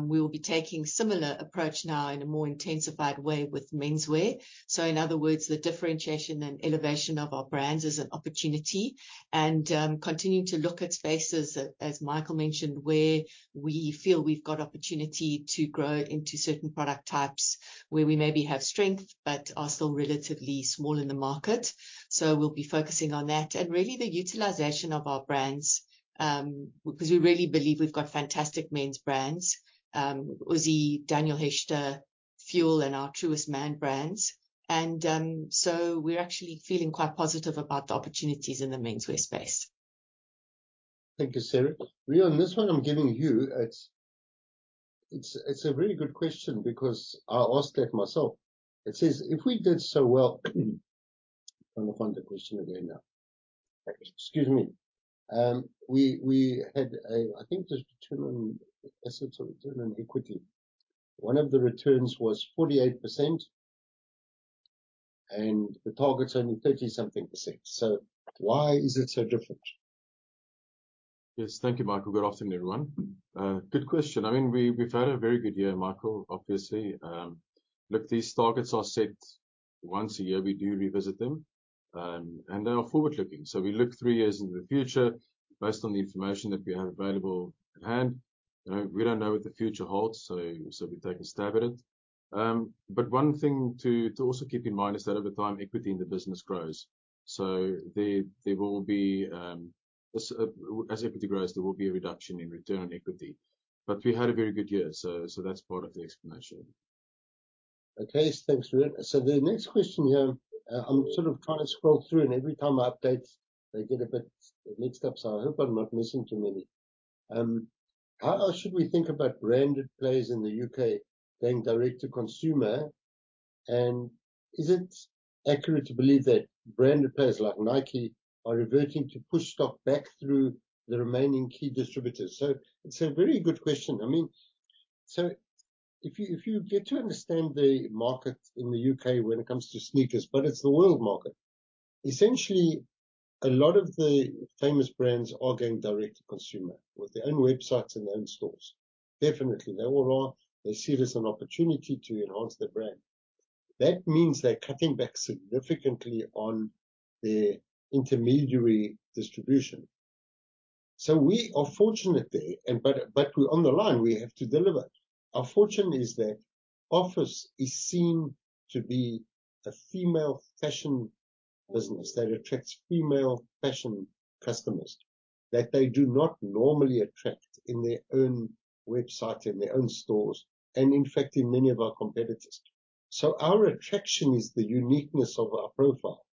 we will be taking similar approach now in a more intensified way with menswear. So in other words, the differentiation and elevation of our brands is an opportunity and continuing to look at spaces, as Michael mentioned, where we feel we've got opportunity to grow into certain product types, where we maybe have strength but are still relatively small in the market. So we'll be focusing on that and really the utilization of our brands, because we really believe we've got fantastic men's brands, Uzzi, Daniel Hechter, Fuel, and our Truworths Man brands. And so we're actually feeling quite positive about the opportunities in the menswear space. Thank you, Sarah. Reon, on this one I'm giving you, it's a really good question because I asked that myself. It says, "If we did so well..." Let me find the question again now. Excuse me. We had a... I think the return on assets or return on equity. One of the returns was 48%, and the target's only 30-something%. So why is it so different?... Yes. Thank you, Michael. Good afternoon, everyone. Good question. I mean, we, we've had a very good year, Michael, obviously. Look, these targets are set once a year. We do revisit them, and they are forward-looking. So we look three years into the future based on the information that we have available at hand. You know, we don't know what the future holds, so we take a stab at it. But one thing to also keep in mind is that over time, equity in the business grows. So there will be, as equity grows, there will be a reduction in return on equity. But we had a very good year, so that's part of the explanation. Okay, thanks, Smit. So the next question here, I'm sort of trying to scroll through, and every time I update, they get a bit mixed up, so I hope I'm not missing too many. How else should we think about branded players in the U.K. going direct to consumer? And is it accurate to believe that branded players like Nike are reverting to push stock back through the remaining key distributors? So it's a very good question. I mean, so if you, if you get to understand the market in the U.K. when it comes to sneakers, but it's the world market. Essentially, a lot of the famous brands are going direct to consumer with their own websites and their own stores. Definitely, they all are. They see it as an opportunity to enhance their brand. That means they're cutting back significantly on their intermediary distribution. So we are fortunate there, but we're on the line, we have to deliver. Our fortune is that Office is seen to be a female fashion business that attracts female fashion customers, that they do not normally attract in their own website, in their own stores, and in fact, in many of our competitors. So our attraction is the uniqueness of our profile,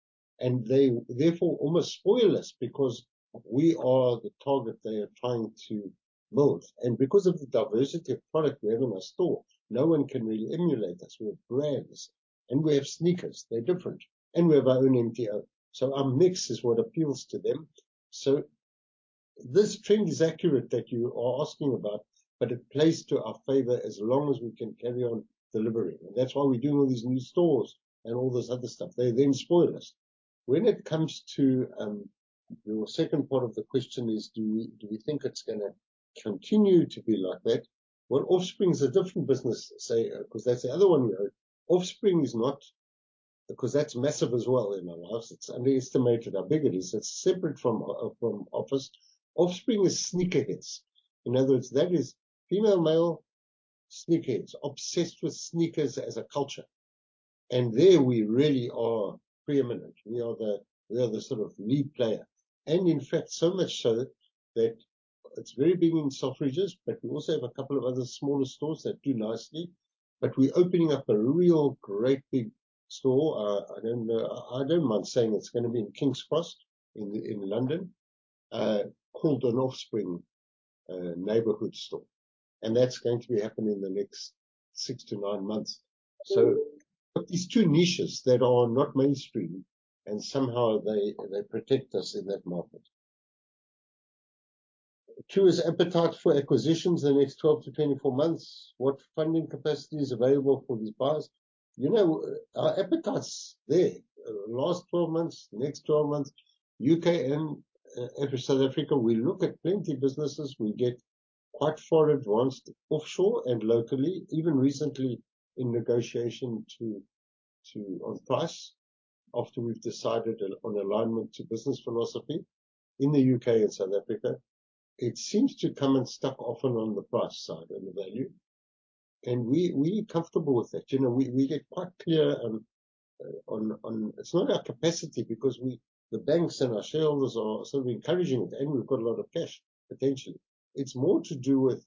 and they therefore almost spoil us because we are the target they are trying to build. And because of the diversity of product we have in our store, no one can really emulate us. We have brands, and we have sneakers, they're different, and we have our own MTO. So our mix is what appeals to them. So this trend is accurate that you are asking about, but it plays to our favor as long as we can carry on delivering, and that's why we're doing all these new stores and all this other stuff. They then spoil us. When it comes to your second part of the question: do we, do we think it's gonna continue to be like that? Well, Offspring is a different business, say, because that's the other one we own. Offspring is not, because that's massive as well in our lives. It's underestimated how big it is. It's separate from Office. Offspring is sneakerheads. In other words, that is female, male sneakerheads, obsessed with sneakers as a culture, and there we really are preeminent. We are the sort of lead player, and in fact, so much so that it's very big in Selfridges, but we also have a couple of other smaller stores that do nicely. But we're opening up a real great big store. I don't know, I don't mind saying it's gonna be in Kings Cross, in London, called an Offspring neighborhood store, and that's going to be happening in the next 6-9 months. So, but these two niches that are not mainstream, and somehow they protect us in that market. Truworths' appetite for acquisitions in the next 12-24 months, what funding capacity is available for these buyers? You know, our appetite's there. Last 12 months, next 12 months, UK and South Africa, we look at plenty businesses. We get quite far advanced offshore and locally, even recently in negotiation on price, after we've decided on alignment to business philosophy in the UK and South Africa. It seems to come and stuck often on the price side and the value, and we're comfortable with that. You know, we get quite clear on. It's not our capacity because the banks and our shareholders are sort of encouraging it, and we've got a lot of cash, potentially. It's more to do with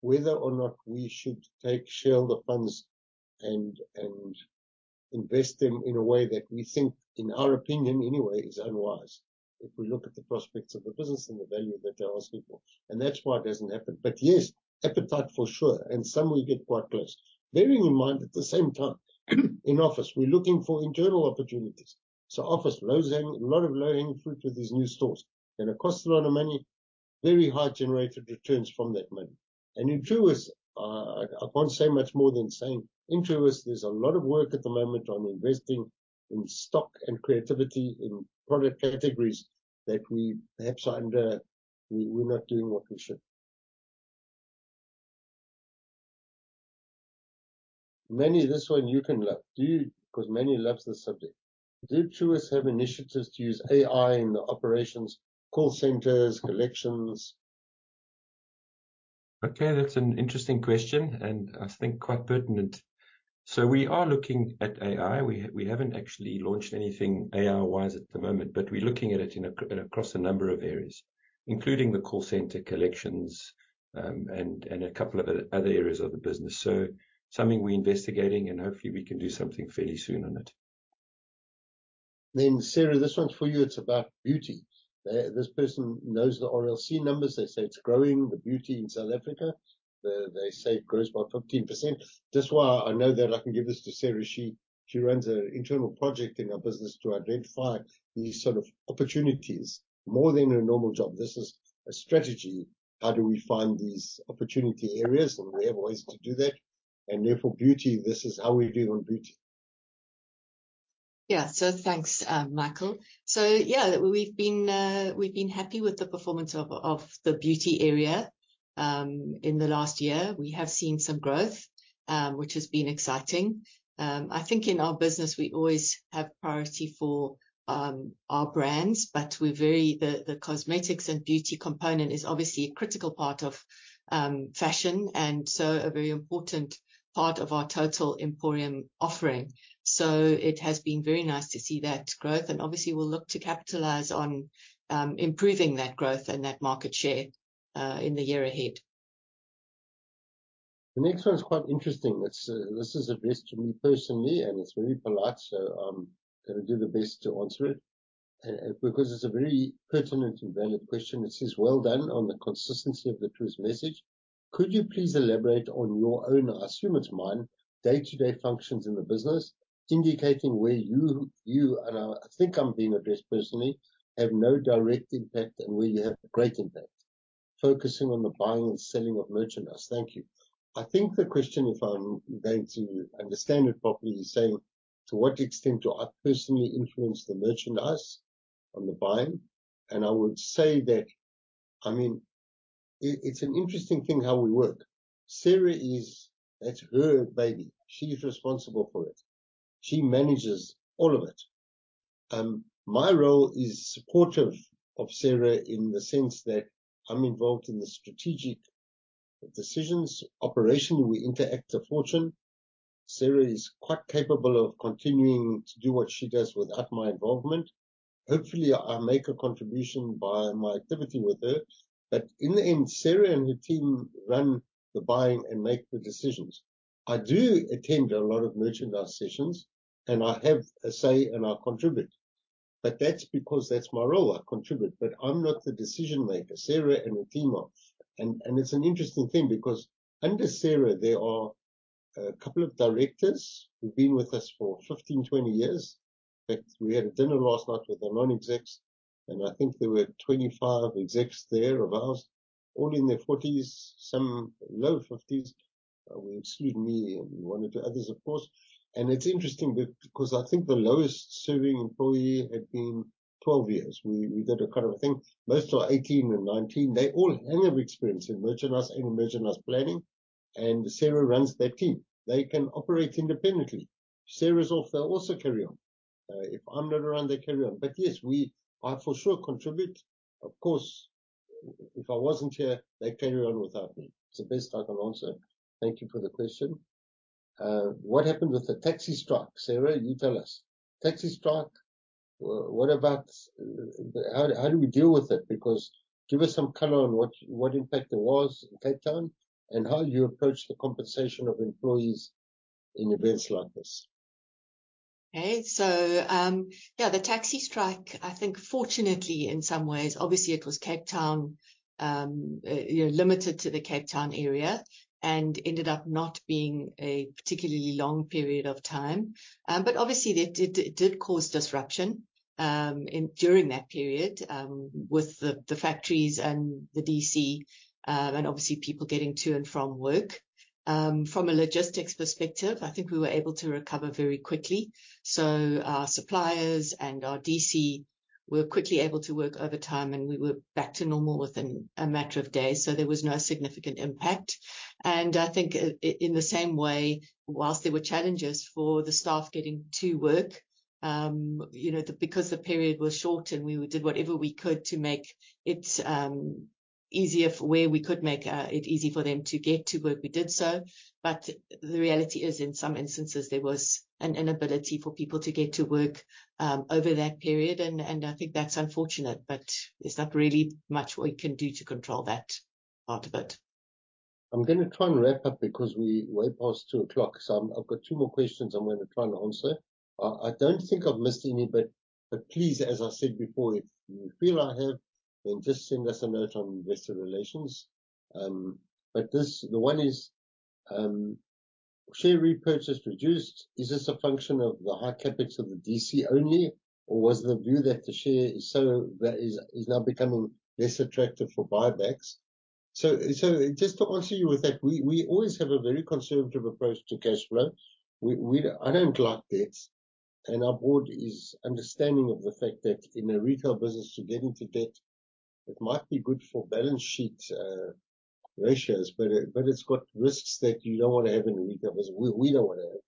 whether or not we should take shareholder funds and invest them in a way that we think, in our opinion anyway, is unwise. If we look at the prospects of the business and the value that they are asking for, and that's why it doesn't happen. But yes, appetite for sure, and some we get quite close. Bearing in mind, at the same time, in Office, we're looking for internal opportunities. So, Office, low hanging—a lot of low-hanging fruit with these new stores. And it costs a lot of money, very high generated returns from that money. And in Truworths, I, I can't say much more than saying in Truworths there's a lot of work at the moment on investing in stock and creativity, in product categories that we perhaps are under—we, we're not doing what we should. Manny, this one you can love. Do you... Because Manny loves this subject: Do Truworths have initiatives to use AI in the operations, call centers, collections? Okay, that's an interesting question, and I think quite pertinent. So we are looking at AI. We haven't actually launched anything AI-wise at the moment, but we're looking at it across a number of areas, including the call center, collections, and a couple of other areas of the business. So something we're investigating, and hopefully, we can do something fairly soon on it. Then, Sarah, this one's for you. It's about beauty. This person knows the RLC numbers. They say it's growing, the beauty in South Africa. They say it grows by 15%. That's why I know that I can give this to Sarah. She runs an internal project in our business to identify these sort of opportunities. More than a normal job, this is a strategy. How do we find these opportunity areas? We have ways to do that, and therefore, beauty, this is how we do on beauty.... Yeah. So thanks, Michael. So yeah, we've been happy with the performance of the beauty area. In the last year, we have seen some growth, which has been exciting. I think in our business, we always have priority for our brands, but we're very, the cosmetics and beauty component is obviously a critical part of fashion, and so a very important part of our total Emporium offering. So it has been very nice to see that growth, and obviously, we'll look to capitalize on improving that growth and that market share in the year ahead. The next one is quite interesting. It's, This is addressed to me personally, and it's very polite, so I'm gonna do the best to answer it, because it's a very pertinent and valid question. It says: "Well done on the consistency of the Truworths message. Could you please elaborate on your own," I assume it's mine, "day-to-day functions in the business, indicating where you," and I think I'm being addressed personally, "have no direct impact and where you have a great impact, focusing on the buying and selling of merchandise. Thank you." I think the question, if I'm going to understand it properly, is saying, to what extent do I personally influence the merchandise on the buying? And I would say that... I mean, it's an interesting thing how we work. Sarah is... That's her baby. She's responsible for it. She manages all of it. My role is supportive of Sarah in the sense that I'm involved in the strategic decisions. Operationally, we interact a lot. Sarah is quite capable of continuing to do what she does without my involvement. Hopefully, I make a contribution by my activity with her. But in the end, Sarah and her team run the buying and make the decisions. I do attend a lot of merchandise sessions, and I have a say, and I contribute, but that's because that's my role, I contribute, but I'm not the decision-maker, Sarah and her team are. And, and it's an interesting thing because under Sarah, there are a couple of directors who've been with us for 15, 20 years. In fact, we had a dinner last night with the non-execs, and I think there were 25 execs there of ours, all in their 40s, some low 50s. We exclude me and one or two others, of course. It's interesting because I think the longest-serving employee had been 12 years. We did a kind of a thing. Most are 18 and 19. They all have experience in merchandise and merchandise planning, and Sarah runs that team. They can operate independently. If Sarah's off, they'll also carry on. If I'm not around, they carry on. But yes, I for sure contribute. Of course, if I wasn't here, they'd carry on without me. It's the best I can answer. Thank you for the question. What happened with the taxi strike? Sarah, you tell us. Taxi strike, what about... How do we deal with it? Because give us some color on what impact there was in Cape Town and how you approach the compensation of employees in events like this. Okay. So, yeah, the taxi strike, I think fortunately, in some ways, obviously, it was Cape Town, you know, limited to the Cape Town area and ended up not being a particularly long period of time. But obviously, it did, it did cause disruption, during that period, with the factories and the DC, and obviously people getting to and from work. From a logistics perspective, I think we were able to recover very quickly. So our suppliers and our DC were quickly able to work overtime, and we were back to normal within a matter of days, so there was no significant impact. And I think in the same way, while there were challenges for the staff getting to work, you know, because the period was short and we did whatever we could to make it, easier for... Where we could make it easy for them to get to work, we did so. But the reality is, in some instances, there was an inability for people to get to work over that period, and I think that's unfortunate, but there's not really much we can do to control that part of it. I'm gonna try and wrap up because we're way past 2:00 P.M. So I've got two more questions I'm gonna try and answer. I don't think I've missed any, but please, as I said before, if you feel I have, then just send us a note on investor relations. But this... The one is: Share repurchase reduced. Is this a function of the high CapEx of the DC only, or was the view that the share is so, is now becoming less attractive for buybacks? So just to answer you with that, we always have a very conservative approach to cash flow. We... I don't like debts, and our board is understanding of the fact that in a retail business, to get into debt, it might be good for balance sheet ratios, but it, but it's got risks that you don't want to have in a retail business. We, we don't want to have.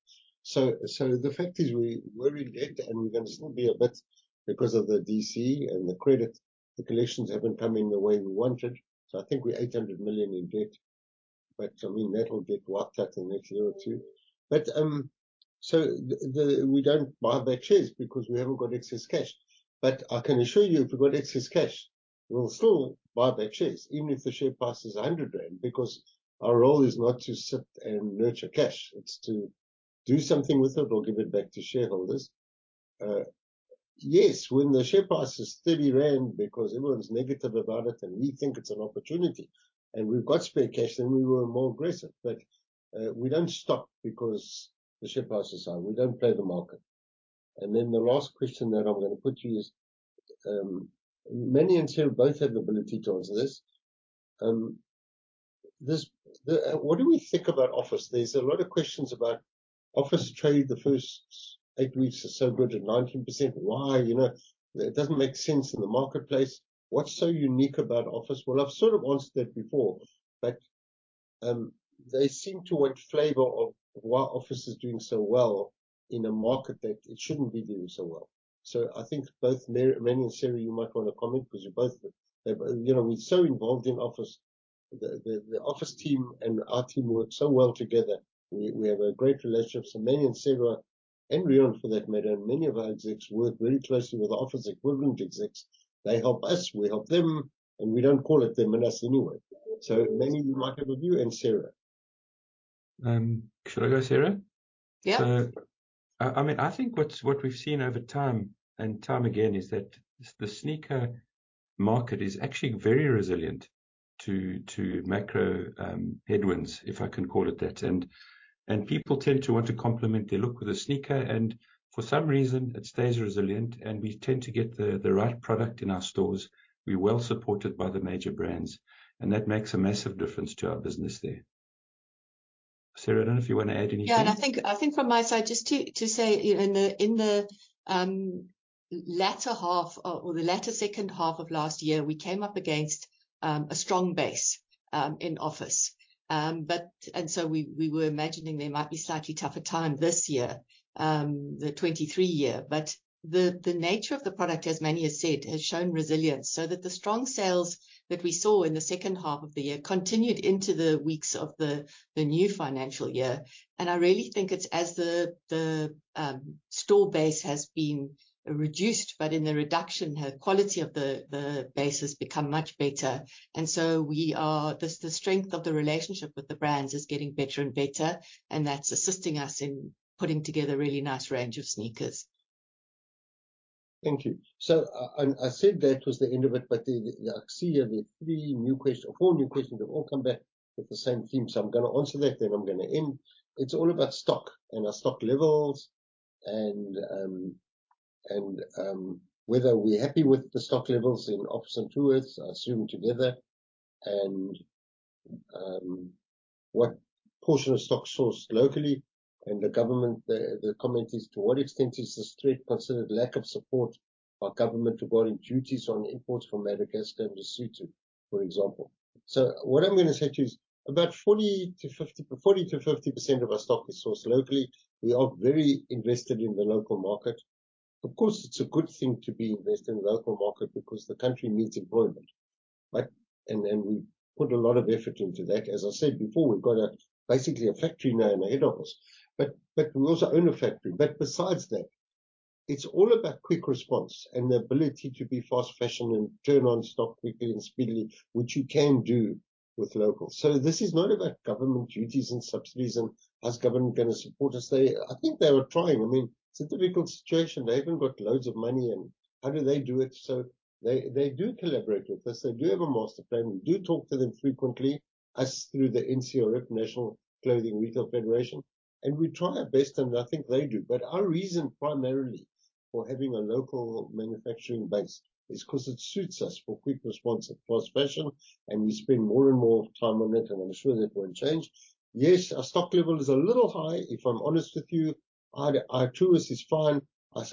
So, so the fact is, we, we're in debt, and we're going to still be a bit because of the DC and the credit. The collections haven't come in the way we wanted, so I think we're 800 million in debt, but, I mean, that will get wiped out in the next year or two. But, so we don't buy back shares because we haven't got excess cash. But I can assure you, if we got excess cash, we'll still buy back shares, even if the share price is 100 rand, because our role is not to sit and nurture cash. It's to do something with it or give it back to shareholders. Yes, when the share price is ZAR 30 because everyone's negative about it, and we think it's an opportunity, and we've got spare cash, then we were more aggressive. But, we don't stop because the share price is high. We don't play the market. And then the last question that I'm gonna put to you is, Manny and Sarah both have the ability to answer this. What do we think about Office? There's a lot of questions about Office trade. The first 8 weeks are so good at 19%. Why? You know, it doesn't make sense in the marketplace. What's so unique about Office? Well, I've sort of answered that before, but they seem to want flavor of why Office is doing so well in a market that it shouldn't be doing so well. So I think both Manny and Sarah, you might want to comment because you're both, you know, we're so involved in Office. The Office team and our team work so well together. We have a great relationship, so Manny and Sarah, and Reon for that matter, and many of our execs work very closely with the Office equivalent execs. They help us, we help them, and we don't call it them and us anyway. So Manny, you might have a view, and Sarah. Should I go, Sarah? Yeah. So, I mean, I think what we've seen over time and time again is that the sneaker market is actually very resilient to macro headwinds, if I can call it that. People tend to want to complement their look with a sneaker, and for some reason, it stays resilient, and we tend to get the right product in our stores. We're well supported by the major brands, and that makes a massive difference to our business there. Sarah, I don't know if you want to add anything. Yeah, and I think, I think from my side, just to, to say, you know, in the, in the, latter half or, or the latter second half of last year, we came up against, a strong base, in Office. But... And so we, we were imagining there might be slightly tougher time this year, the 2023 year. But the, the nature of the product, as Manny has said, has shown resilience, so that the strong sales that we saw in the second half of the year continued into the weeks of the, the new financial year. And I really think it's as the, the, store base has been reduced, but in the reduction, the quality of the, the base has become much better. And so the strength of the relationship with the brands is getting better and better, and that's assisting us in putting together a really nice range of sneakers. Thank you. So, and I said that was the end of it, but then I see here we have three new questions or four new questions have all come back with the same theme. So I'm gonna answer that, then I'm gonna end. It's all about stock and our stock levels and, and, whether we're happy with the stock levels in Office and Truworths are assumed together, and, what portion of stock sourced locally and the government, the, the comment is: To what extent is this threat considered lack of support by government regarding duties on imports from Madagascar and Lesotho, for example? So what I'm gonna say to you is about 40%-50%, 40%-50% of our stock is sourced locally. We are very invested in the local market. Of course, it's a good thing to be invested in the local market because the country needs employment. But we put a lot of effort into that. As I said before, we've got basically a factory now in the heart of us, but we also own a factory. But besides that, it's all about quick response and the ability to be fast fashion and turn on stock quickly and speedily, which you can do with local. So this is not about government duties and subsidies and the government gonna support us. They were trying. I mean, it's a difficult situation. They haven't got loads of money, and how do they do it? So they do collaborate with us. They do have a master plan. We do talk to them frequently, us through the NCRF, National Clothing Retail Federation, and we try our best, and I think they do. But our reason, primarily for having a local manufacturing base, is 'cause it suits us for quick response and fast fashion, and we spend more and more time on it, and I'm sure that won't change. Yes, our stock level is a little high, if I'm honest with you. Our Truworths is fine.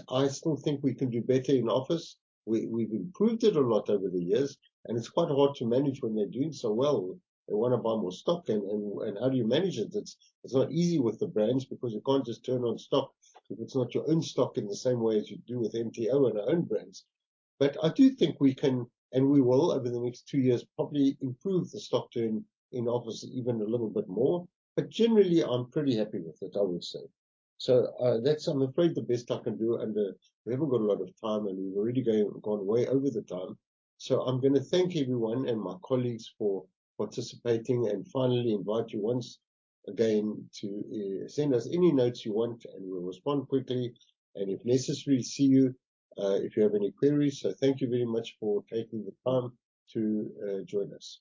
I still think we can do better in Office. We've improved it a lot over the years, and it's quite hard to manage when they're doing so well. They want to buy more stock, and how do you manage it? It's not easy with the brands because you can't just turn on stock if it's not your own stock in the same way as you do with MTO and our own brands. But I do think we can, and we will, over the next two years, probably improve the stock turn in Office even a little bit more. But generally, I'm pretty happy with it, I would say. So, that's, I'm afraid, the best I can do under... We haven't got a lot of time, and we've already gone way over the time. So I'm gonna thank everyone and my colleagues for participating and finally invite you once again to send us any notes you want, and we'll respond quickly and, if necessary, see you if you have any queries. So thank you very much for taking the time to join us.